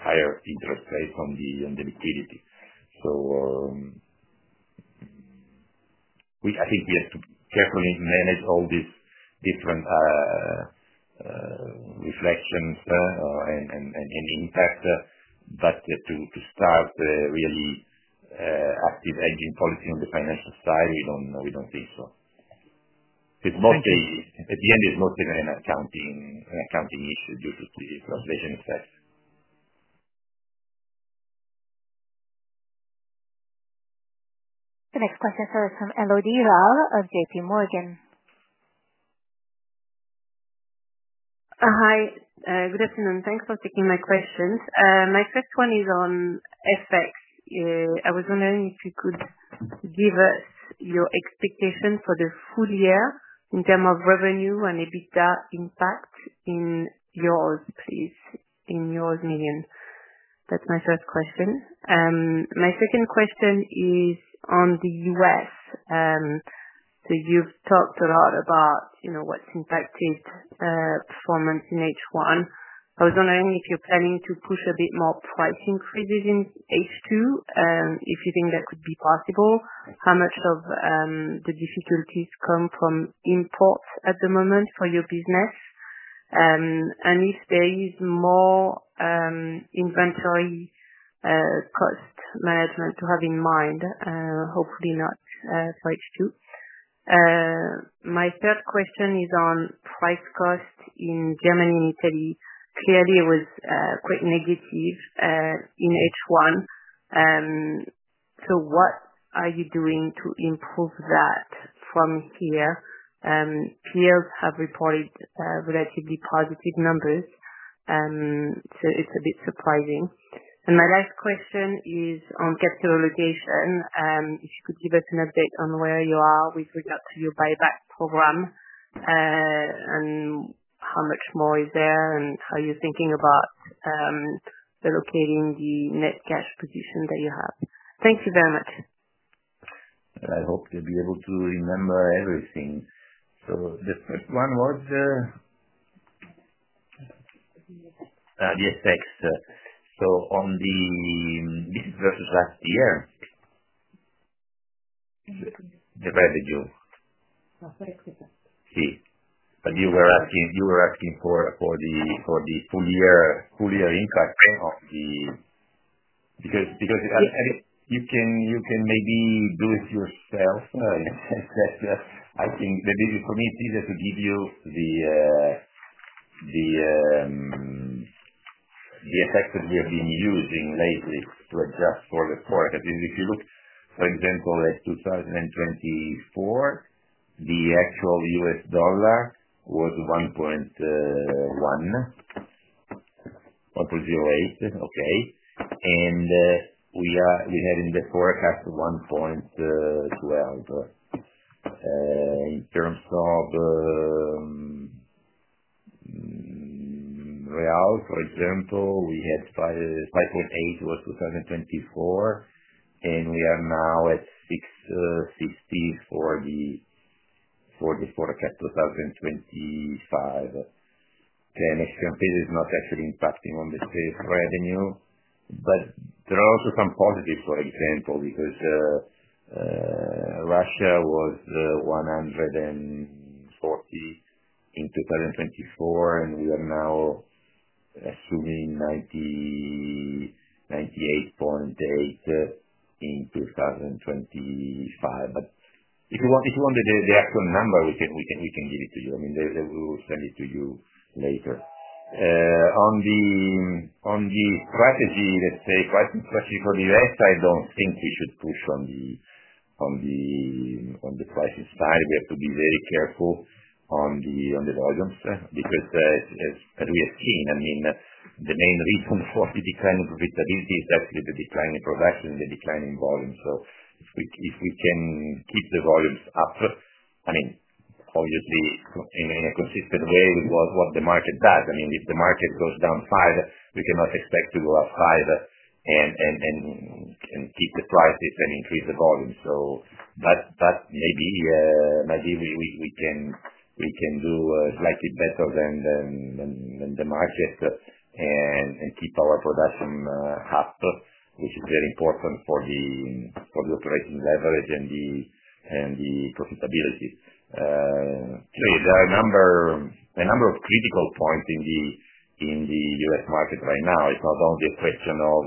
higher interest rates on the liquidity. I think we have to carefully manage all these different reflections and impacts. To start a real active hedging policy on the financial side, we don't think so. At the end, it's mostly an accounting issue due to the inflation. The next question is from Elodie Rall of JPMorgan. Hi. Good afternoon. Thanks for taking my questions. My first one is on FX. I was wondering if you could give us your expectation for the full year in terms of revenue and EBITDA impact in euros, please, in euros meaning. That's my first question. My second question is on the U.S. You've talked a lot about, you know, what's impacting performance in H1. I was wondering if you're planning to push a bit more pricing freezes in H2, if you think that could be possible. How much of the difficulties come from imports at the moment for your business, and if there is more inventory cost management to have in mind, hopefully not for H2. My third question is on price cost in Germany and Italy. Clearly, it was quite negative in H1. What are you doing to improve that from here? Peers have reported relatively positive numbers, so it's a bit surprising. My last question is on capital allocation. If you could give us an update on where you are with regard to your buyback program, and how much more is there and how you think. Locating the net cash position that you have. Thank you very much. I hope you'll be able to remember everything. Just one word there. Yes, thanks. On this, this is versus last year. Please. The residue. Sorry. Skip that. You were asking for the full-year impact because you can maybe do it yourself. Of course, I think that for me, it's easier to give you the effects that we have been using lately to adjust for the quarter. If you look, for example, at 2024, the actual U.S. dollar was $1.08, and we had in the forecast $1.12. In terms of reals, for example, we had $5.8 was 2024, and we are now at $6.50 for the forecast 2025. The next campaign is not actually impacting on the state revenue, but there are also some positives, for example, because Russia was 140 in 2024, and we are now assuming 98.8 in 2025. If you want the actual number, we can give it to you. I mean, we will send it to you later. On the strategy, let's say, for the reals, I don't think we should push on the price side. We have to be very careful on the volume because, as we have seen, the main reason for the decline in profitability is definitely the decline in production and the decline in volume. If we can keep the volumes up, obviously, in a consistent way with what the market does. If the market goes down five we cannot expect to go up five and keep the prices and increase the volume. Maybe we can do slightly better than the market and keep our production up, which is very important for the operating leverage and the profitability. There are a number of critical points in the U.S. market right now. It's not only a question of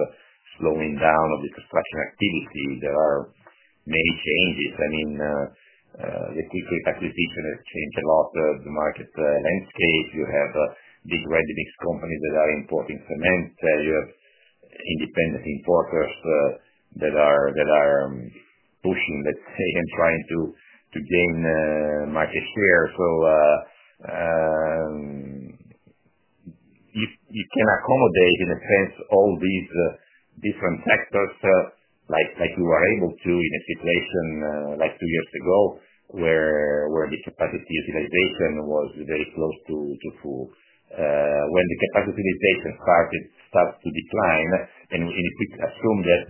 slowing down of the construction activity. There are many changes. Liquidity effective season has changed a lot of the market landscape. You have big revenues companies that are importing cement. You have independent importers that are pushing and trying to gain market share. If you can accommodate, in a sense, all these different factors, like you are able to in a situation like two years ago where the capacity utilization was very close to full. When the capacity utilization started to decline and it's assumed that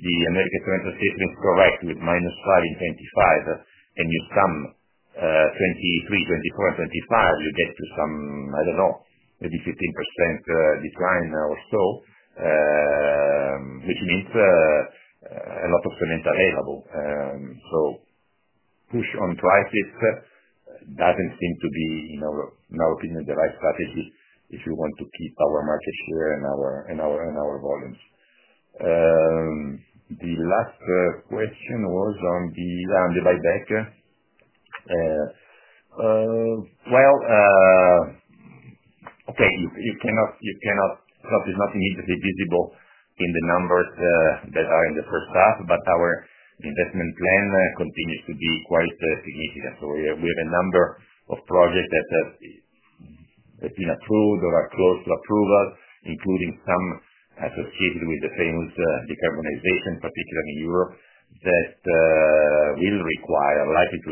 the American Currency System corrects with -5.75 and you come 2023, 2024, and 2025, you get to some, I don't know, maybe 15% decline or so, which means a lot of cement available. Push on prices doesn't seem to be, in our opinion, the right strategy if you want to keep our market share and our volumes. The last question was on the roundabout back. You cannot probably not immediately see it in the numbers that are in the first draft, but our investment plan continues to be quite significant. We have a number of projects that have been approved or are close to approval, including some associated with the famous decarbonization, particularly in Europe, that will likely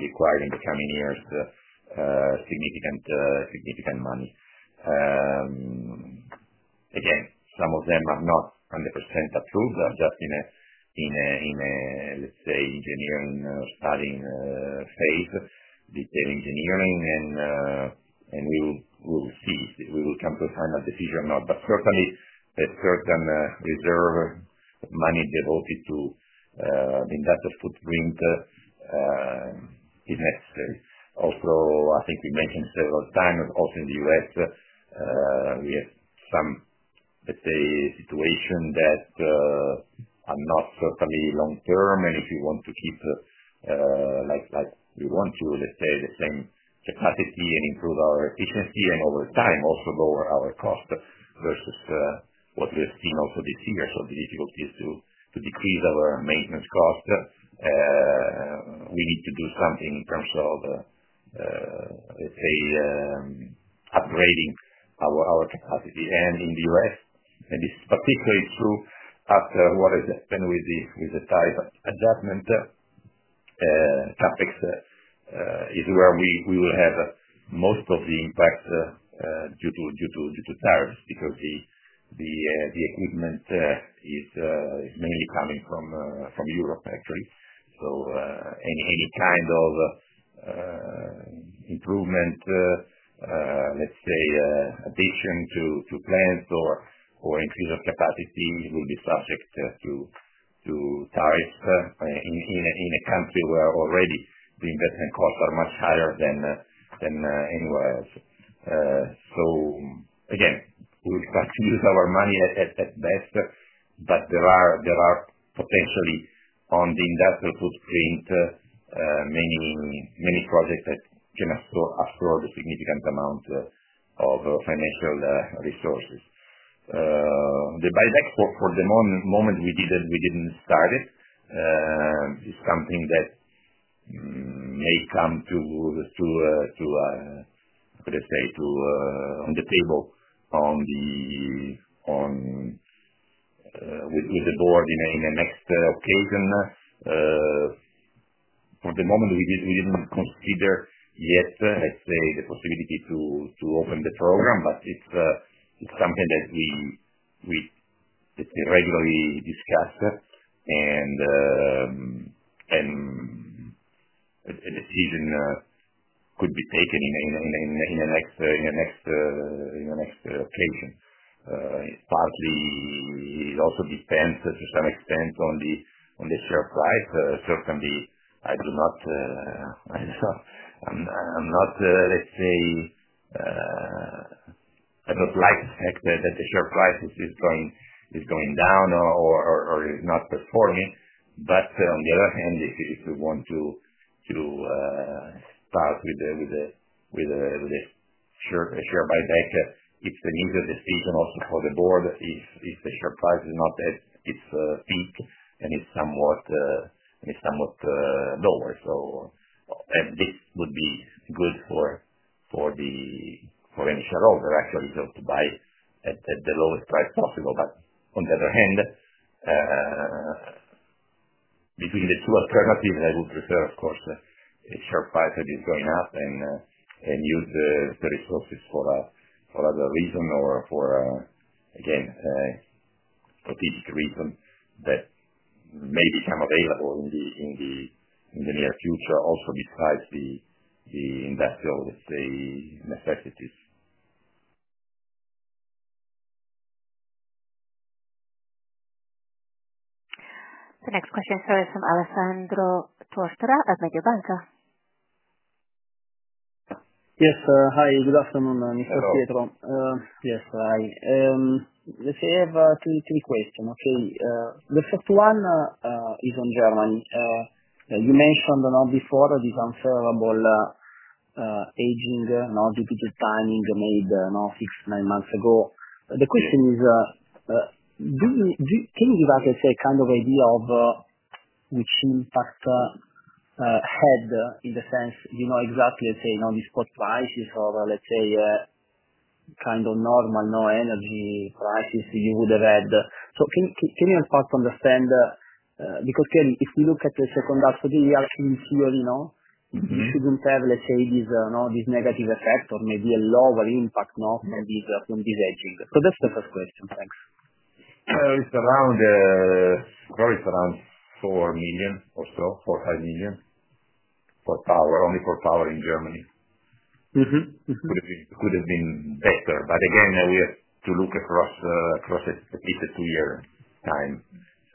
require in the coming years significant money. Some of them are not 100% approved. They're just in a, let's say, engineering studying phase, detail engineering. We will see if we will come to a final decision or not. Certainly, a certain reserve of money devoted to the investor footprint is necessary. I think we mentioned several times, also in the U.S., we have some, let's say, situations that are not certainly long-term. If you want to keep, like you want to, let's say, the same capacity and improve our efficiency and over time also lower our cost versus what we have seen over the years, the difficulty is to decrease our maintenance cost. We need to do something in terms of, let's say, upgrading our capacity. In the U.S., and this is particularly true after what has happened with the tariff adjustment, is where we will have most of the impact due to tariffs because the equipment is mainly coming from Europe actually. Any kind of improvement, let's say, addition to plants or increase of capacity will be subject to tariff in a country where already the investment costs are much higher than anywhere else. We will pursue our money at best, but there are potentially on the industrial footprint many projects that can afford a significant amount of financial resources. The buyback for the moment we didn't start, is something that may come to, how can I say, on the table with the board in a next occasion. For the moment, we didn't consider yet, let's say, the possibility to open the program, but it's something that we, let's say, regularly discuss. A decision could be taken in a next occasion. It also depends to some extent on the share price. Certainly, I do not, I'm not, let's say, I don't like the fact that the share price is going down or is not performing. On the other hand, if we want to start with a share buyback, it's the news of the season also for the board if the share price is not at its peak and it's somewhat lower. This would be good for any shareholder, actually, to buy at the lowest price possible. On the other hand, between the two alternatives, I would prefer, of course, a share price that is going up and use the resources for another reason or for, again, strategic reason that may become available in the near future, also besides the industrial, let's say, necessities. The next question is from Alessandro Tortora at Mediobanca. Yes. Hi. Good afternoon. Pietro. Hello. Yes, hi. I have three questions, okay? The first one is on Germany. You mentioned before that this unfavorable aging, no duplicate timing, made now six to nine months ago. The question is, do you think you have the same kind of idea of the team past hold in the sense you know exactly, let's say, non-discount prices or, let's say, kind of normal no-energy prices you would have had? Can you help us understand, because again, if you look at the second half of the year, in theory, you shouldn't have, let's say, this negative effect or maybe a lower impact from this aging. That's the first question, thanks. It's around, probably it's around 4 million or so, 4 or 5 million for power, only for power in Germany. It could have been better. Again, we have to look across at least a two-year time.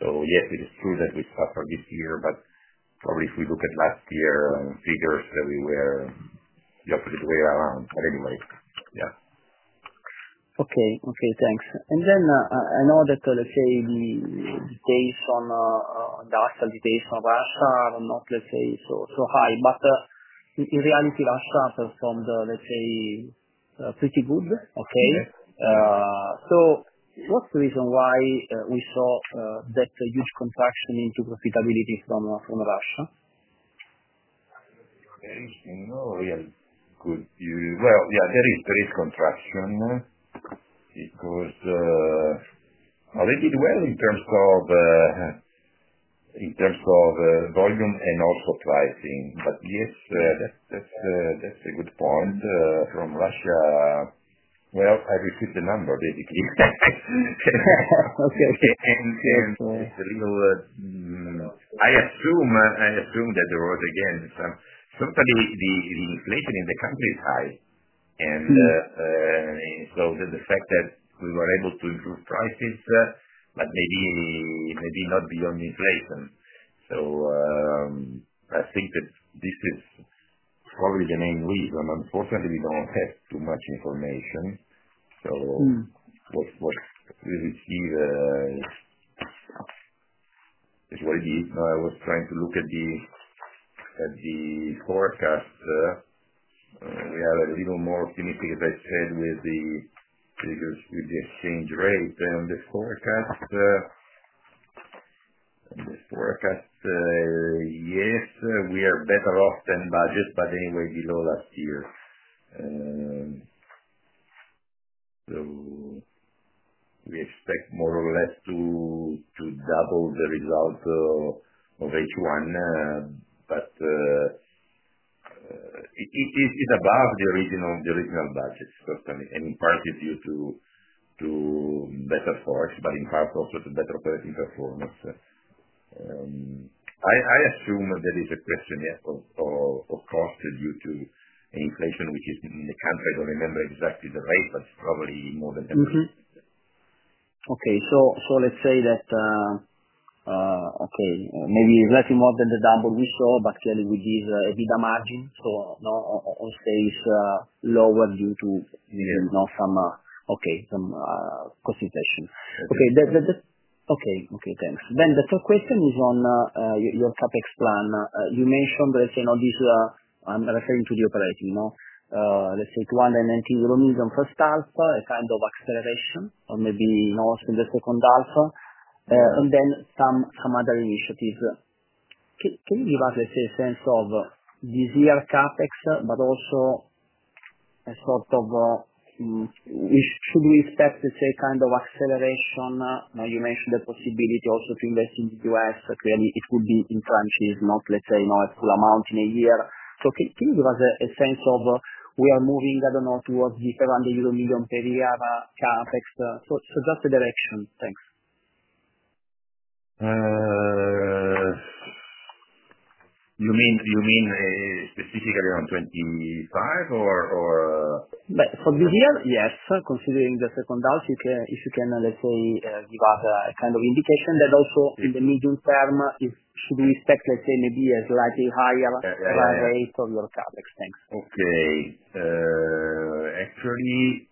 Yes, it is true that we suffer this year, but probably if we look at last year, figures that we were the opposite way around. Anyways, yeah. Okay. Thanks. In order to, let's say, the taste on DACH and the taste on Russia are not, let's say, so high. In reality, last quarter from the, let's say, pretty good, okay? What's the reason why we saw that huge contraction into profitability from Russia? There is no real good. Yeah, there is. There is contraction because already it went in terms of volume and also pricing. Yes, that's a good point. From Russia, I received the number, basically. Okay. Okay. It's a little, I assume that the word, again, somebody with the inflation in the country is high. The fact that we were able to improve prices, but maybe not beyond inflation. I think that this is probably the main reason. Unfortunately, we don't have too much information. Here is what it is. I was trying to look at the forecast. We are a little more optimistic, as I said, with the change rate. The forecast, yes, we are better off than budget, but anyway, below last year. We expect more or less to double the result of H1. It is above the original budget, certainly, in part due to better force, but in part also to better operating performance. I assume that there is a question of cost due to inflation, which is in the country. I don't remember exactly the rate, but it's probably more than everything. Okay. Let's say that, okay, maybe slightly more than the double we saw, but still with this EBITDA margin. I'll say it's lower due to, you know, some, okay, some cost inflation. The first question is on your CapEx plan. You mentioned, let's say, now this, I'm referring to the operating. Let's say, 2019 will mean some first half, a kind of acceleration, or maybe also the second half, and then some other initiatives. Can you give us, let's say, a sense of this year's CapEx, but also a sort of, should we expect, let's say, kind of acceleration? You mentioned the possibility also to invest in the U.S. Clearly, it could be in France, not, let's say, a full amount in a year. Can you give us a sense of, we are moving, I don't know, towards around the 1 million per year CapEx? That's the direction. Thanks. You mean specifically around 25% or? From the year, yes. Considering the second half, if you can, let's say, give us a kind of indication that also in the medium term, should we expect, let's say, maybe a slightly higher rate for your topics? Thanks. Okay. Actually,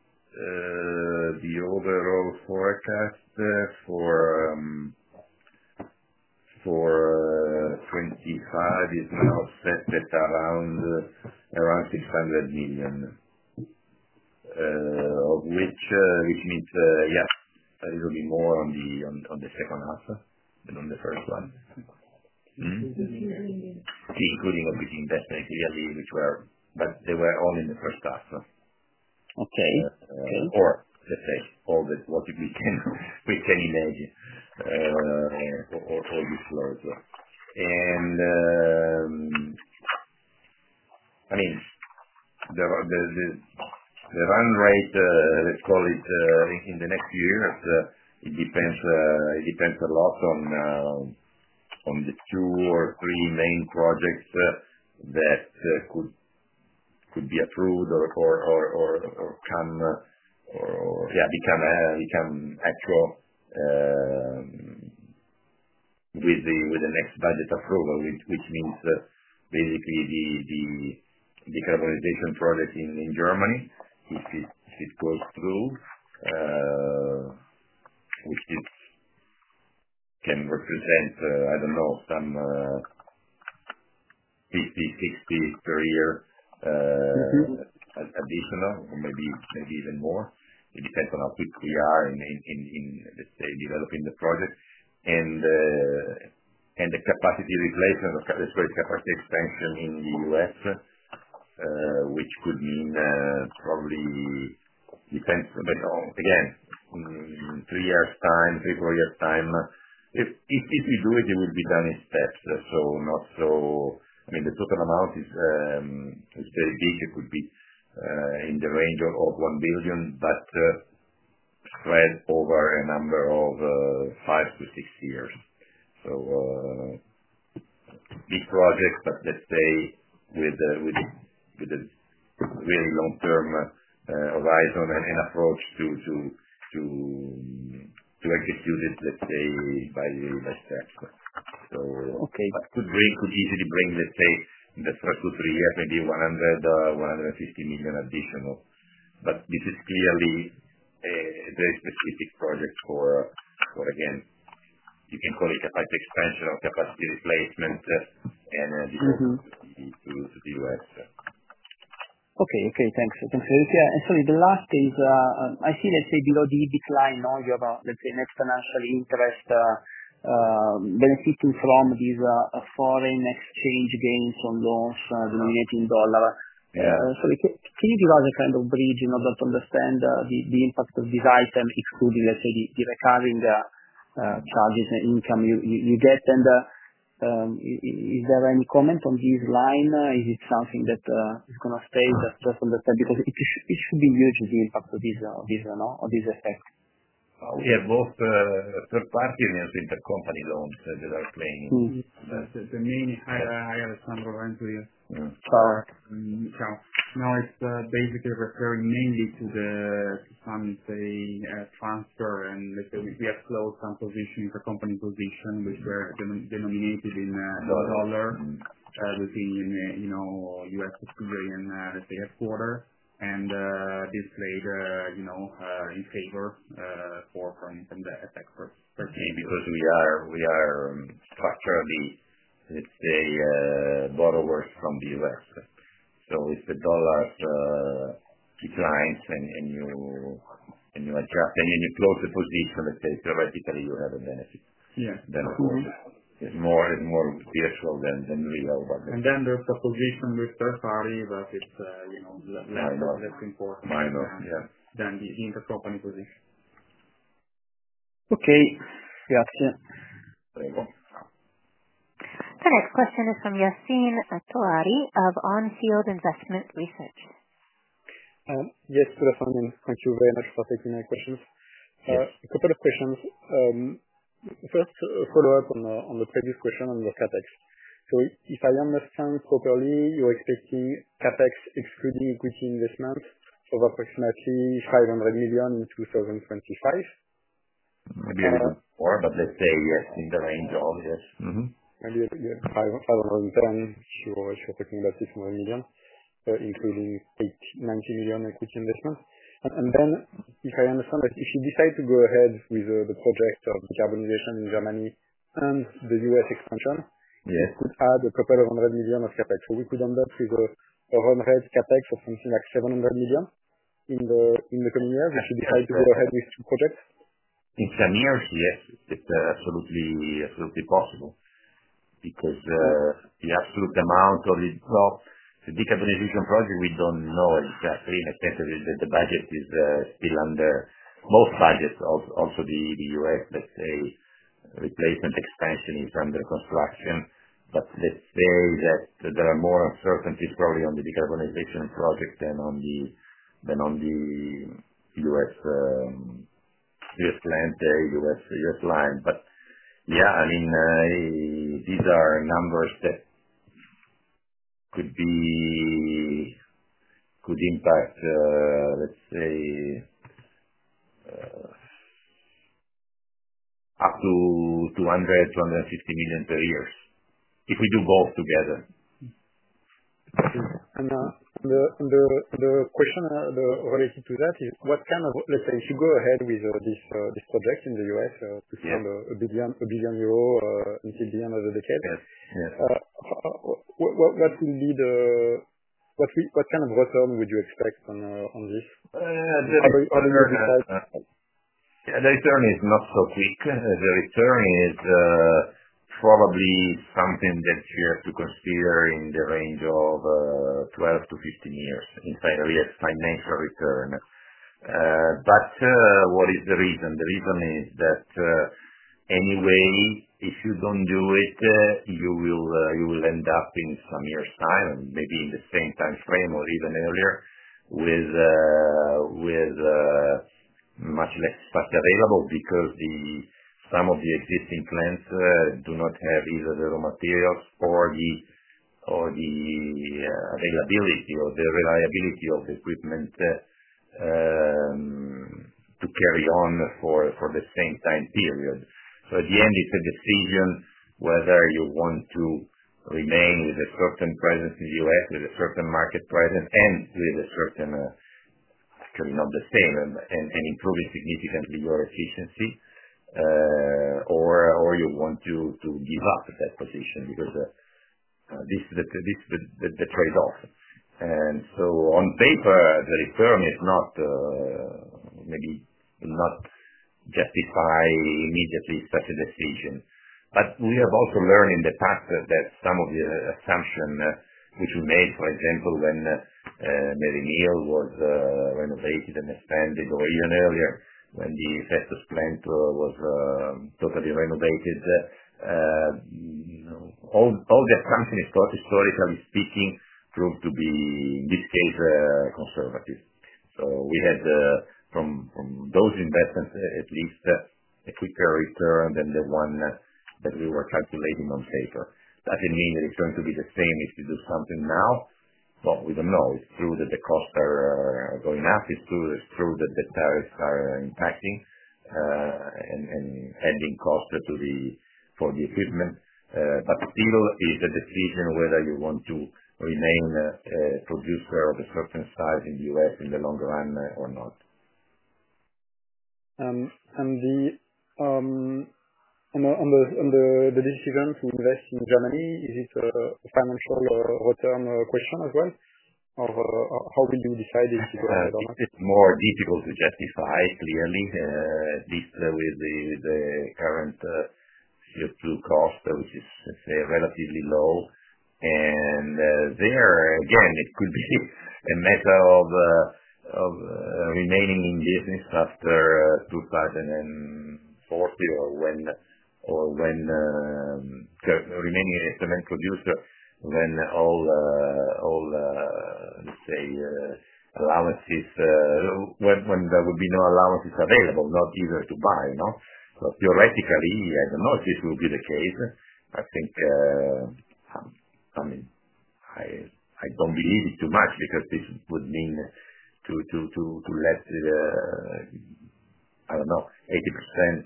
the overall forecast for 2025 is now set at around EUR 300 million, which means, yes, a little bit more on the second half than on the first one. Okay. Including what we think that ideally, which were, but they were all in the first half. Okay. Let's say, all that what we can pretend imagine for this load. I mean, the run rate, let's call it, in the next years depends a lot on the two or three main projects that could be approved or become actual with the next budget approval, which means basically the decarbonization project in Germany. If it goes through, which can represent, I don't know, some 50 million per year additional or maybe even more. It depends on how quick we are in developing the project. The capacity replacement, the capacity expansion in the U.S., which could mean probably depends. Again, in three years' time, three, four years' time, if we do it, it will be done in steps. The total amount is, let's say, it could be in the range of 1 billion, but spread over a number of five to six years. Big project, with a very long-term horizon and approach to execute it by the year itself. It could easily bring, in the first two or three years, maybe 100 million, 150 million additional. This is clearly a very specific project for, again, you can call it capacity expansion or capacity replacement and to the U.S. Okay. Thanks for it. Sorry, the last case, I see, let's say, below the EBIT line, you have, let's say, an international interest benefiting from these foreign exchange gains on loans denominated in dollar. Yeah, sorry, can you give us a kind of bridge in order to understand the impact of this item, including, let's say, the recurring charges in which you get? Is there any comment on this line? Is it something that is going to stay with us just on the table? Because it should be huge in the impact of this or this effect. We have both third parties, and we have the intercompany loans that are playing. The main is IRR and ROI, too, yes. Correct. Now, it's basically referring mainly to some transfer, and we have closed some positions, a company position, which were denominated in dollars, in, you know, U.S. subsidiary, and headquarters. This played in favor for from the attack per se. We are transferring, let's say, borrowers from the U.S.. If the dollars declined and you adjust and then you close the position, let's say, theoretically, you have a benefit. Yeah. Than ours. Sure. More and more useful than legal. The proposition with third parties is less important. Minor. Yeah. Than the intercompany position. Okay. Yes. Very good. The next question is from Yassine Touahri of On Field Investment Research. Yes, good afternoon. Thank you very much for taking my questions. A couple of questions. First, a follow-up on the previous question on your CapEx. If I understand properly, you expect CapEx excluding equity investments of approximately 500 million in 2025? I didn't know before, but let's say you're in the range of that. Ideally, yeah, EUR 500 million. You were expecting about this more million, so including EUR 90 million equity investment. If I understand that if you decide to go ahead with the progress of the decarbonization in Germany and the U.S. expansion, you could add a couple of hundred million of CapEx. You could end up with a run-rate CapEx of something like 700 million in the coming years if you decide to go ahead with projects? In some years, yes. It's absolutely possible because the absolute amount of the decarbonization project, we don't know exactly. I think that the budget is still under most budgets of also the U.S., let's say, replacement expansion is under construction. Let's say that there are more uncertainties probably on the decarbonization project than on the U.S. Europe line. These are numbers that could impact, let's say, up to 200 million, 250 million per year if we do both together. The question related to that is what kind of, let's say, if you go ahead with this project in the U.S. to spend 1 billion euros until the end of the decade, what will be the, what kind of return would you expect on this? The return is not so quick. The return is probably something that we have to consider in the range of 12-15 years in finance return. What is the reason? The reason is that anyway, if you don't do it, you will end up in some years' time, and maybe in the same timeframe or even earlier, with much less stuff available because some of the existing plants do not have either the raw materials or the availability or the reliability of the equipment to carry on for the same time period. At the end, it's a decision whether you want to remain with a certain presence in the U.S., with a certain market presence, and with a certain, not the same, and improving significantly your efficiency, or you want to give up that position because this is the trade-off. On paper, the return is maybe not justified immediately such a decision. We have also learned in the past that some of the assumptions which were made, for example, when Marineo was renovated and expanded or even earlier, when the Pestos Plant was totally renovated, all the assumptions historically speaking proved to be, in this case, conservative. We had from those investments at least a quicker return than the one that we were calculating on paper. In the meantime, the return could be the same if we do something now. We don't know. It's true that the costs are going up. It's true that the tariffs are impacting and adding costs to the equipment. Still, it is a decision whether you want to remain a producer of a certain size in the U.S. in the long run or not. The decision to invest in Germany, is this a financial return question as well? How did you decide in? I don't know. It's more difficult to justify, clearly, at least with the current CO₂ cost, which is, let's say, relatively low. There, again, it could be a matter of remaining in business after 2040 or remaining an instrument producer when all, let's say, allowances, when there will be no allowances available, not easier to buy. Theoretically, I don't know if this will be the case. I think, I mean, I don't believe it too much because this would mean less, I don't know,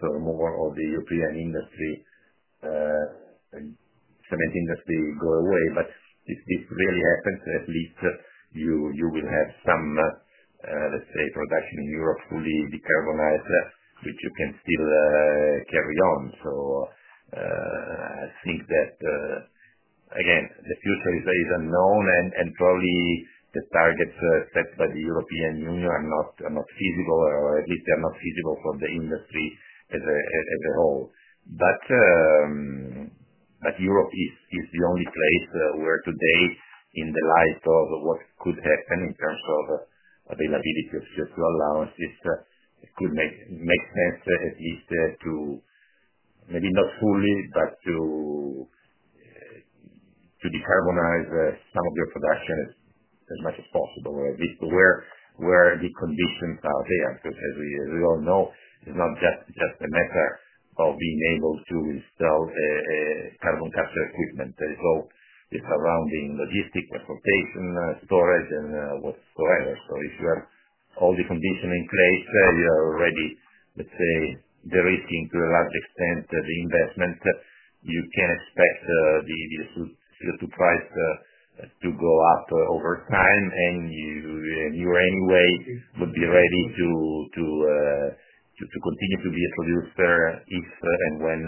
80% or more of the European cement industry will go away. If this really happens, at least you will have some, let's say, production in Europe fully decarbonized, which you can still carry on. I think that, again, the future is unknown and probably the targets set by the European Union are not feasible or at least are not feasible for the industry as a whole. Europe is the only place where today, in the light of what could happen in terms of availability of share flow allowances, it could make sense, at least to maybe not fully, but to decarbonize some of your production as much as possible where the conditions are there, because as we all know, it's not just a matter of being able to install a carbon capture equipment. It's around the logistic, transportation, storage, and whatsoever. If you have all the conditions in place, you are already, let's say, derisking to a large extent the investment. You can expect the CO₂ price to go up over time, and you anyway would be ready to continue to be a producer if and when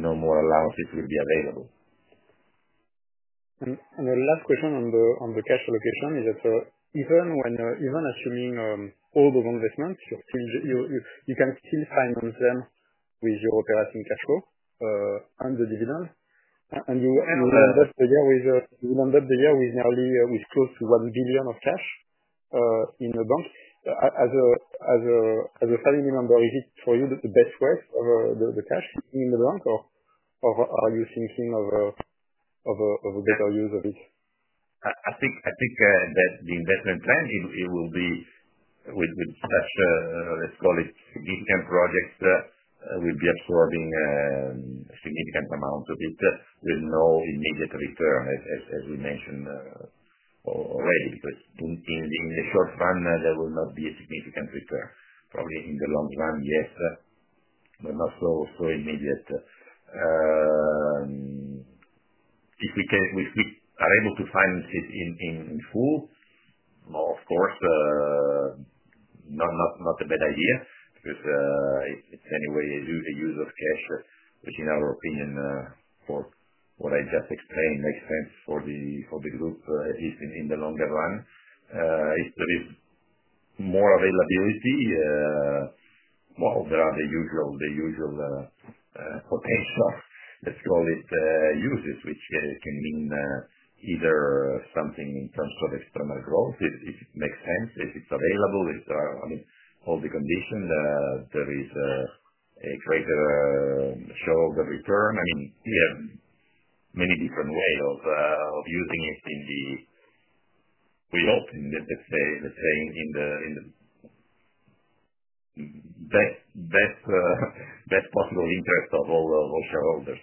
no more allowances will be available. The last question on the cash flow question is that even when assuming all those investments, you can still finance them with your operating cash flow and the dividend. You will end up the year with nearly close to 1 billion of cash in the bank. As a family member, is it for you the best way of the cash in the bank, or are you thinking of a better use of it? I think that the investment plan, it will be with such, let's call it, significant projects, we'll be absorbing a significant amount of it with no immediate return, as we mentioned already, because in the short run, there will not be a significant return. Probably in the long run, yes, but not so immediate. If we are able to finance it in full, more, of course, not a bad idea because it's anyway a huge use of cash. In our opinion, for what I just explained, it makes sense for the group at least in the longer run. If there is more availability, there are the usual potentials, let's call it uses, which can mean either something in terms of external growth, if it makes sense, if it's available, if there are, I mean, all the conditions, there is a greater shareholder return. I mean, yeah, many different ways of using it in the, we hope, let's say, in the best possible interest of all shareholders.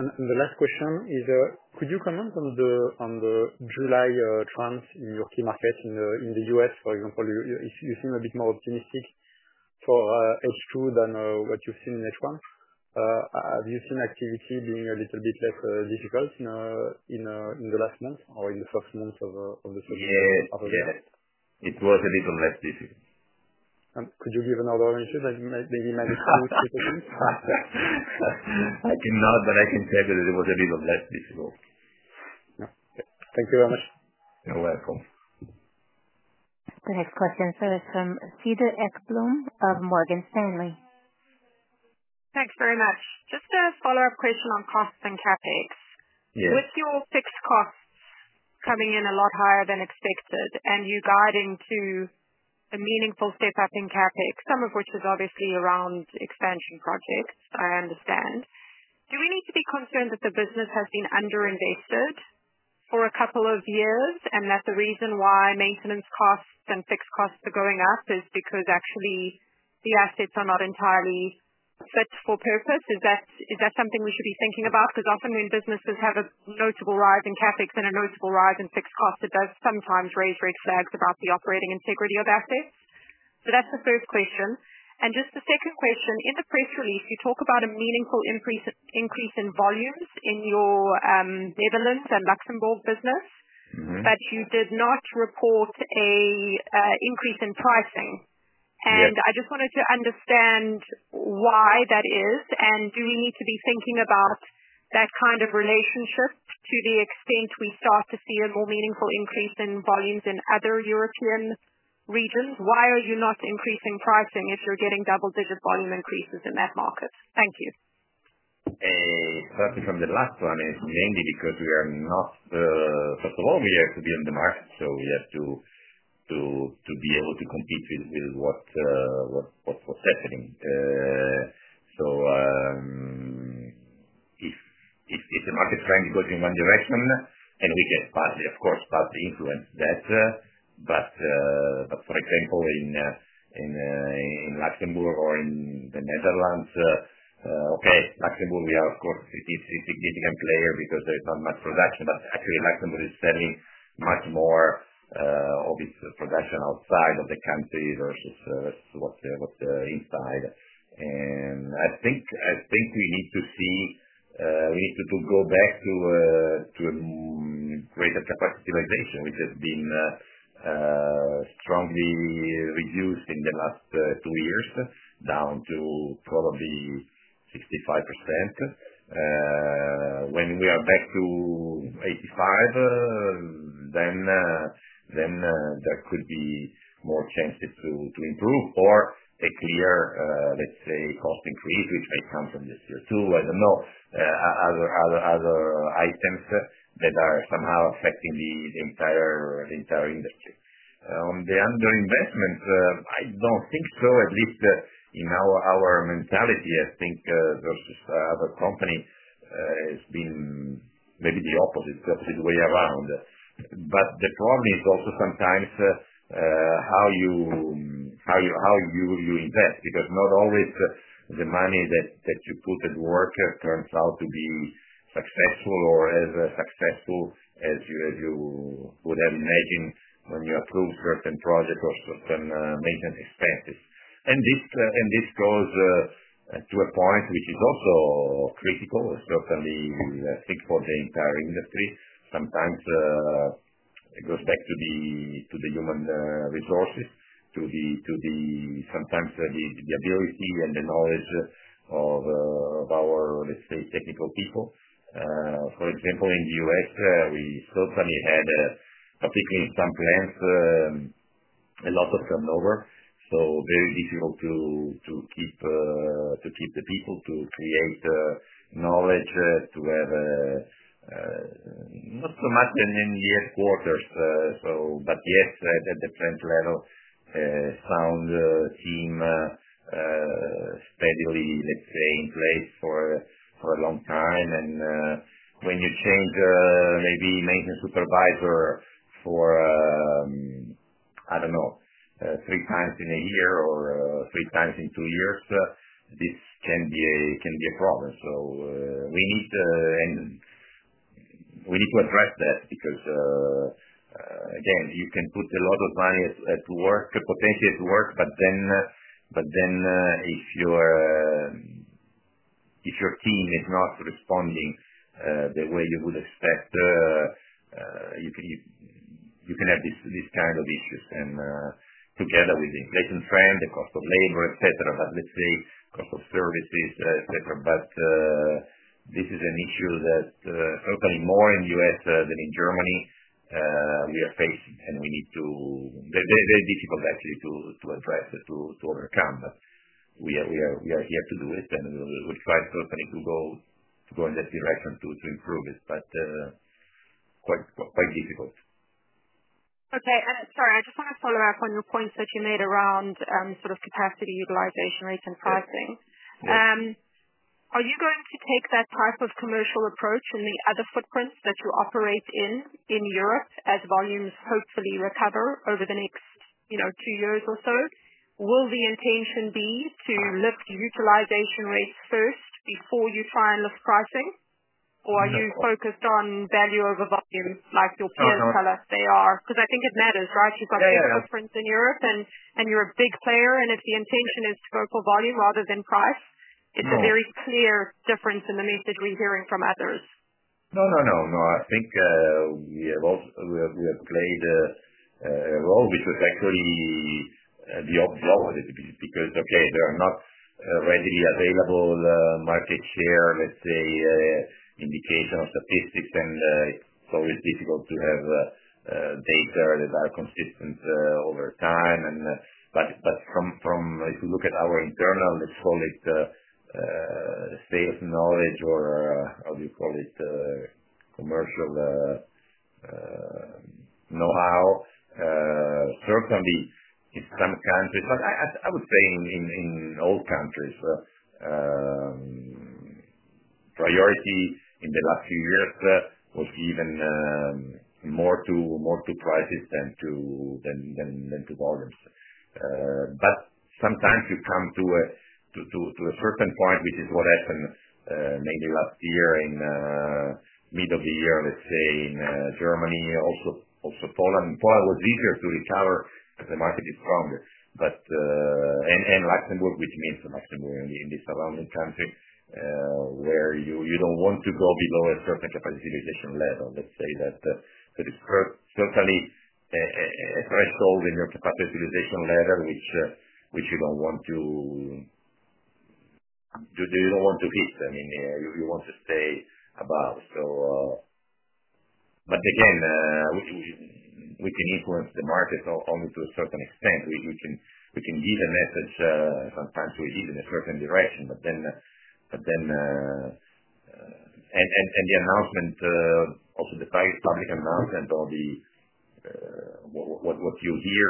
Could you comment on the July trends in your key markets in the U.S., for example, if you seem a bit more optimistic for H2 than what you've seen in H1? Have you seen activity being a little bit less difficult in the last month or in the first month of the season of the U.S.? It was a little less difficult. Could you give another answer? Maybe my. I cannot, but I can say that it was a little less difficult. Thank you very much. You're welcome. The next question is from Cedar Ekblom of Morgan Stanley. Thanks very much. Just a follow-up question on costs and CapEx. With your fixed costs coming in a lot higher than expected and you guiding to a meaningful step-up in CapEx, some of which is obviously around expansion projects, I understand. Do we need to be concerned that the business has been underinvested for a couple of years and that the reason why maintenance costs and fixed costs are going up is because actually the assets are not entirely fit for purpose? Is that something we should be thinking about? Because often when businesses have a notable rise in CapEx and a notable rise in fixed costs, it does sometimes raise red flags about the operating integrity of assets. That's the first question. The second question, in the press release, you talk about a meaningful increase in volumes in your Netherlands and Luxembourg business, but you did not report an increase in pricing. I just wanted to understand why that is and do we need to be thinking about that kind of relationship to the extent we start to see a more meaningful increase in volumes in other European regions? Why are you not increasing pricing if you're getting double-digit volume increases in that market? Thank you. Perhaps from the last one, it's mainly because we are not, first of all, we have to be in the market. We have to be able to compete with what's happening. If the market trend goes in one direction, we can partly, of course, partly influence that. For example, in Luxembourg or in the Netherlands, Luxembourg, we are, of course, a significant player because there is not much production. Actually, Luxembourg is selling much more of its production outside of the country versus what's inside. I think we need to see, we need to go back to a greater capacity utilization, which has been strongly reduced in the last two years, down to probably 65%. When we are back to 85%, then there could be more chances to improve or a clear, let's say, cost increase, which might come from the CO₂. I don't know. Other items are somehow affecting the entire industry. On the underinvestments, I don't think so. At least in our mentality, I think versus other companies, it's been maybe the opposite, perhaps the way around. The problem is also sometimes how you usually invest because not always the money that you put at work turns out to be successful or as successful as you would have imagined when you approve certain projects or certain maintenance expenses. This goes to a point which is also critical, certainly I think for the entire industry. Sometimes it goes back to the human resources, to the sometimes the ability and the knowledge of our, let's say, technical people. For example, in the U.S., we certainly had particularly in some plants, a lot of turnover. Very difficult to keep the people to create knowledge to have not so much than in the headquarters. At the plant level, sound seem steadily, let's say, in place for a long time. When you change maybe maintenance supervisor for, I don't know, three times in a year or three times in two years, this can be a problem. We need to address that because, again, you can put a lot of money at work, potentially at work, but then if your team is not responding the way you would expect, you can have this kind of issues then together with the inflation, the cost of labor, cost of services, etc. This is an issue that certainly more in the U.S. than in Germany, we are facing and we need to, they're very difficult actually to address, to overcome. We are here to do it and we would quite openly go in that direction to improve it, but quite difficult. Okay. Sorry, I just want to follow up on your points that you made around sort of capacity utilization rates and pricing. Are you going to take that type of commercial approach in the other footprints that you operate in in Europe as volumes hopefully recover over the next, you know, two years or so? Will the intention be to lift utilization rates first before you try and lift pricing? Or are you focused on value over volume like your predecessors there? I think it matters, right? You've got a footprint in Europe and you're a big player. If the intention is to go for volume rather than price, it's a very clear difference in the message we're hearing from others. No, no, no, no. I think we have played a role because actually, the odd blower, let's say, because, okay, there are not readily available market share, let's say, indication of statistics. It's always difficult to have data that are consistent over time. If you look at our internal, let's call it, sales knowledge or, how do you call it, commercial know-how, certainly, it's some countries, but I would say in all countries, priority in the last few years was even more to prices than to volumes. Sometimes you come to a certain point, which is what happened, maybe last year in the middle of the year, in Germany. Also Poland. Poland was easier to recover as the market is stronger, and Luxembourg, which means Luxembourg and the surrounding country, where you don't want to go below a certain capacity utilization level. Let's say that it's certainly a threshold in your capacity utilization level, which you don't want to hit. I mean, you want to stay above. Again, we can influence the markets only to a certain extent. We can give a message, sometimes we lead in a certain direction, but then the announcement, also the public announcement or what you hear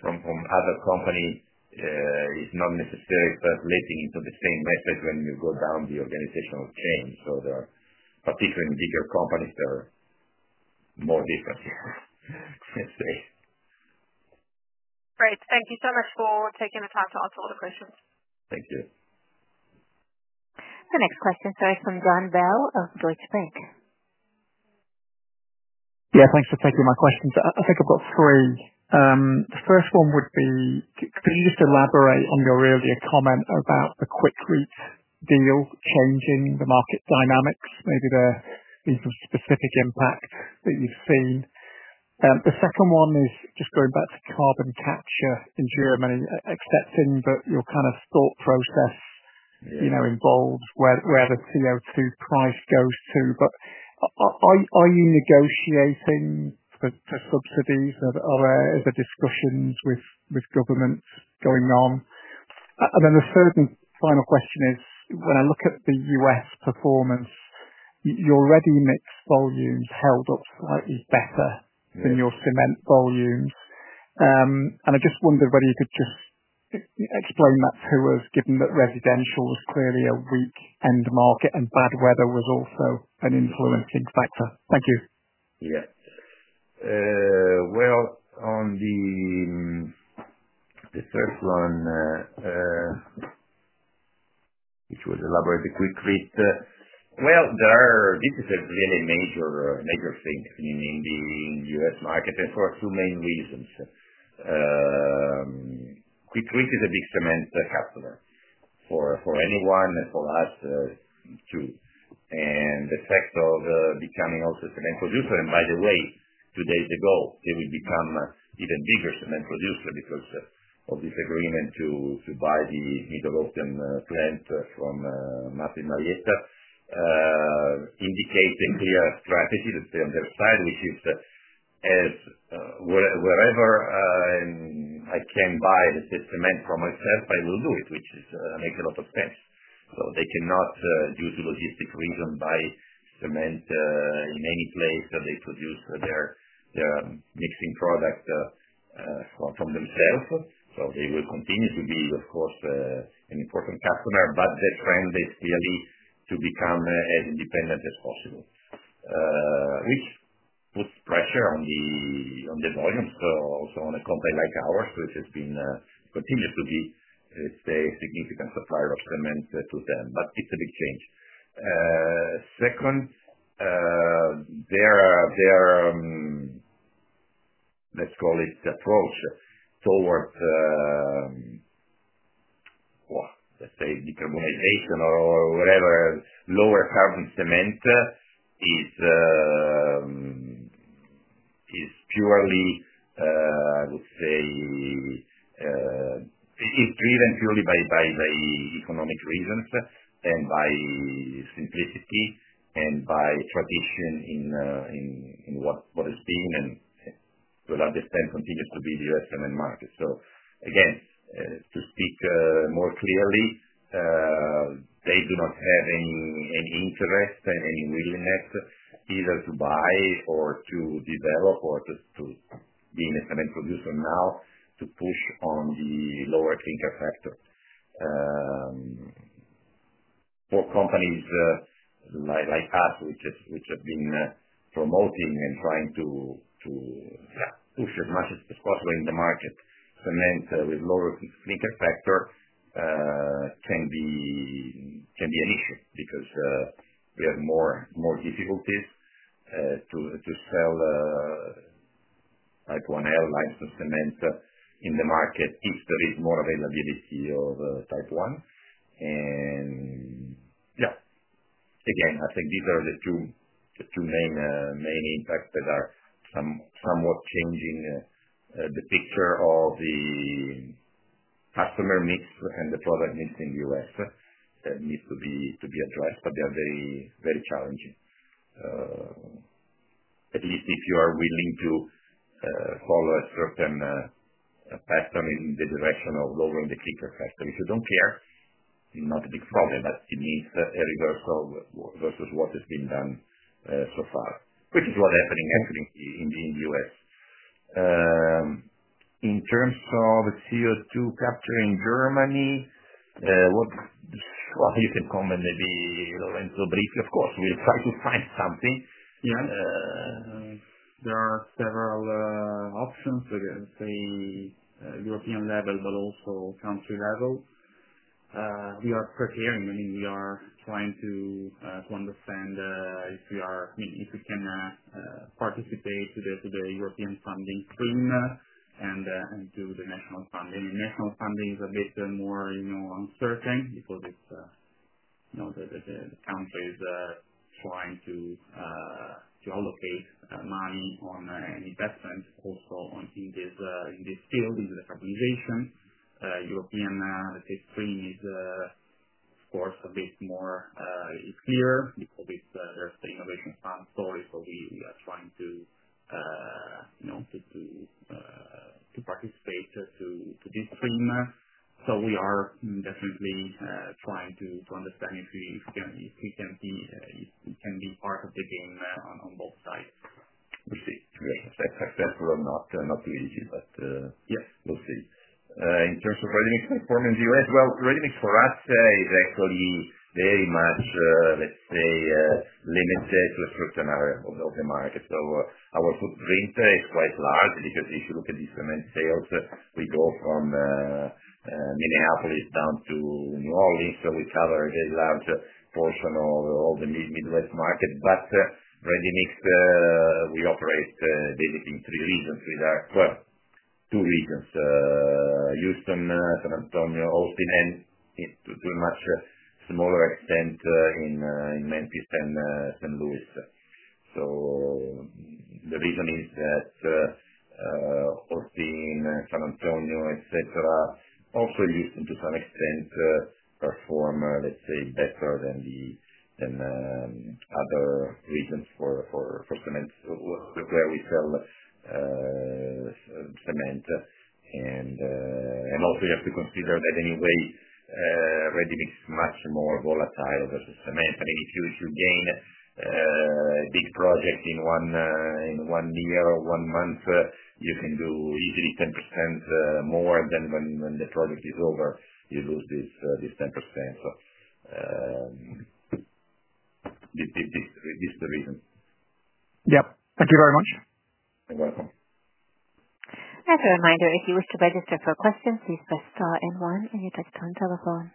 from other companies, is not necessarily percolating into the same message when you go down the organizational chain. There are particularly bigger companies that are more different. Great. Thank you so much for taking the time to answer all the questions. Thank you. The next question is from Jon Bell of Deutsche Bank. Yeah, thanks for taking my questions. I think I've got three. The first one would be, can you just elaborate on your earlier comment about the QUIKRETE deal changing the market dynamics, maybe the sort of specific impact that you've seen? The second one is just going back to carbon capture in Germany. Expecting that your kind of thought process, you know, involved where the CO₂ price goes to. Are you negotiating for subsidies? Are there other discussions with governments going on? The third and final question is, when I look at the U.S. performance, your ready-mix volumes held up slightly better than your cement volumes. I just wondered whether you could just explain that to us given that residential was clearly a weak end market and bad weather was also an influencing factor. Thank you. Yeah. On the first one, which was elaborated quickly, this is a really major, major thing in the U.S. market for two main reasons. QUIKRETE is a big cement customer for anyone and for us, too. The fact of becoming also a cement producer, and by the way, two days ago, it will become an even bigger cement producer because of this agreement to buy the Middle Eastern plant from Martin Marietta, indicates a clear strategy that they understand, which is, wherever I can buy the cement for myself, I will do it, which makes a lot of sense. They cannot, due to logistic reasons, buy cement in any place that they produce their mixing products from themselves. They will continue to be, of course, an important customer, but they're trying to become as independent as possible, which puts pressure on the volumes, but also on a company like ours which has been continuing to be, let's say, a significant supplier of cement to them. It's a big change. Second, their approach towards, let's say, decarbonization or lower carbon cement is purely, I would say, driven purely by economic reasons and by simplicity and by tradition in what is being and will at this time continue to be the U.S. cement market. To speak more clearly, they do not have any interest and any willingness either to buy or to develop or just to be an instrument producer now to push on the lower clinker factor. For companies like us, which have been promoting and trying to push massive quantities in the market, cement with lower clinker factor can be an issue because we have more difficulties to sell Type 1L lines of cement in the market if there is more availability of Type 1. I think these are the two main impacts that are somewhat changing the picture of the customer mix and the product mix in the U.S. that need to be addressed, but they are very, very challenging. At least if you are willing to follow a certain pattern in the direction of lowering the clinker factor. If you don't care, it's not a big problem. It needs a reversal versus what has been done so far, which is what's happening actually in the U.S. In terms of CO₂ capture in Germany, you can comment maybe a little briefly. Of course, we'll try to find something. Yeah. There are several options at the European level, but also country level. We are preparing. We are trying to understand if we can participate in the European funding stream and in the national funding. National funding is a bit more uncertain because the company is trying to allocate money on investments also in this field, in decarbonization. The European stream is, of course, a bit more clear because it's the innovation story for trying to participate in this stream. We are definitely trying to understand if we can be part of the game on both sides. We'll see if we are successful or not, not the issue, but yes, we'll see. In terms of ready-mix for the U.S., ready-mix for us is actually very much, let's say, limited to a certain area of the market. Our footprint is quite large because if you look at the cement sales, we go from Minneapolis down to New Orleans. We cover a very large portion of all the Midwest market. Ready-mix, we operate basically in three regions, or two regions: Houston, San Antonio, Oakland, and to a much smaller extent in Memphis and St. Louis. The reason is that Oakland, San Antonio, and also Houston to some extent perform, let's say, better than the other regions for cement. We prefer we sell cement. Also, you have to consider that anyway, ready-mix is much more volatile versus cement. I mean, if you gain a big project in one year or one month, you can do easily 10% more, then when the project is over, you lose this 10%. This is the reason. Thank you very much. You're welcome. As a reminder, if you wish to register for a question, please press star and one on your desktop telephone.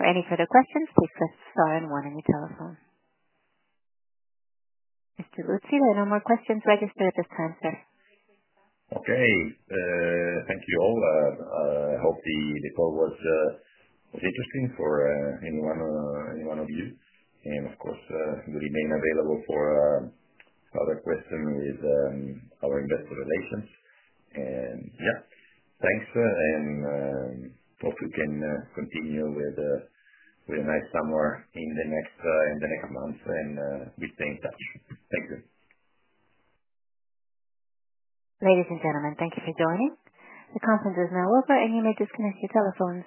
For any further questions, please press star and one on your telephone. Mr. Buzzi, there are no more questions registered at this time, sir. Okay, thank you all. I hope the call was interesting for anyone of you. Of course, you remain available for other questions with our investor relations. Thank you, and hope you can continue with a nice summer in the next month and be staying in touch. Thank you. Ladies and gentlemen, thank you for joining. The conference is now over, and you may disconnect your telephone.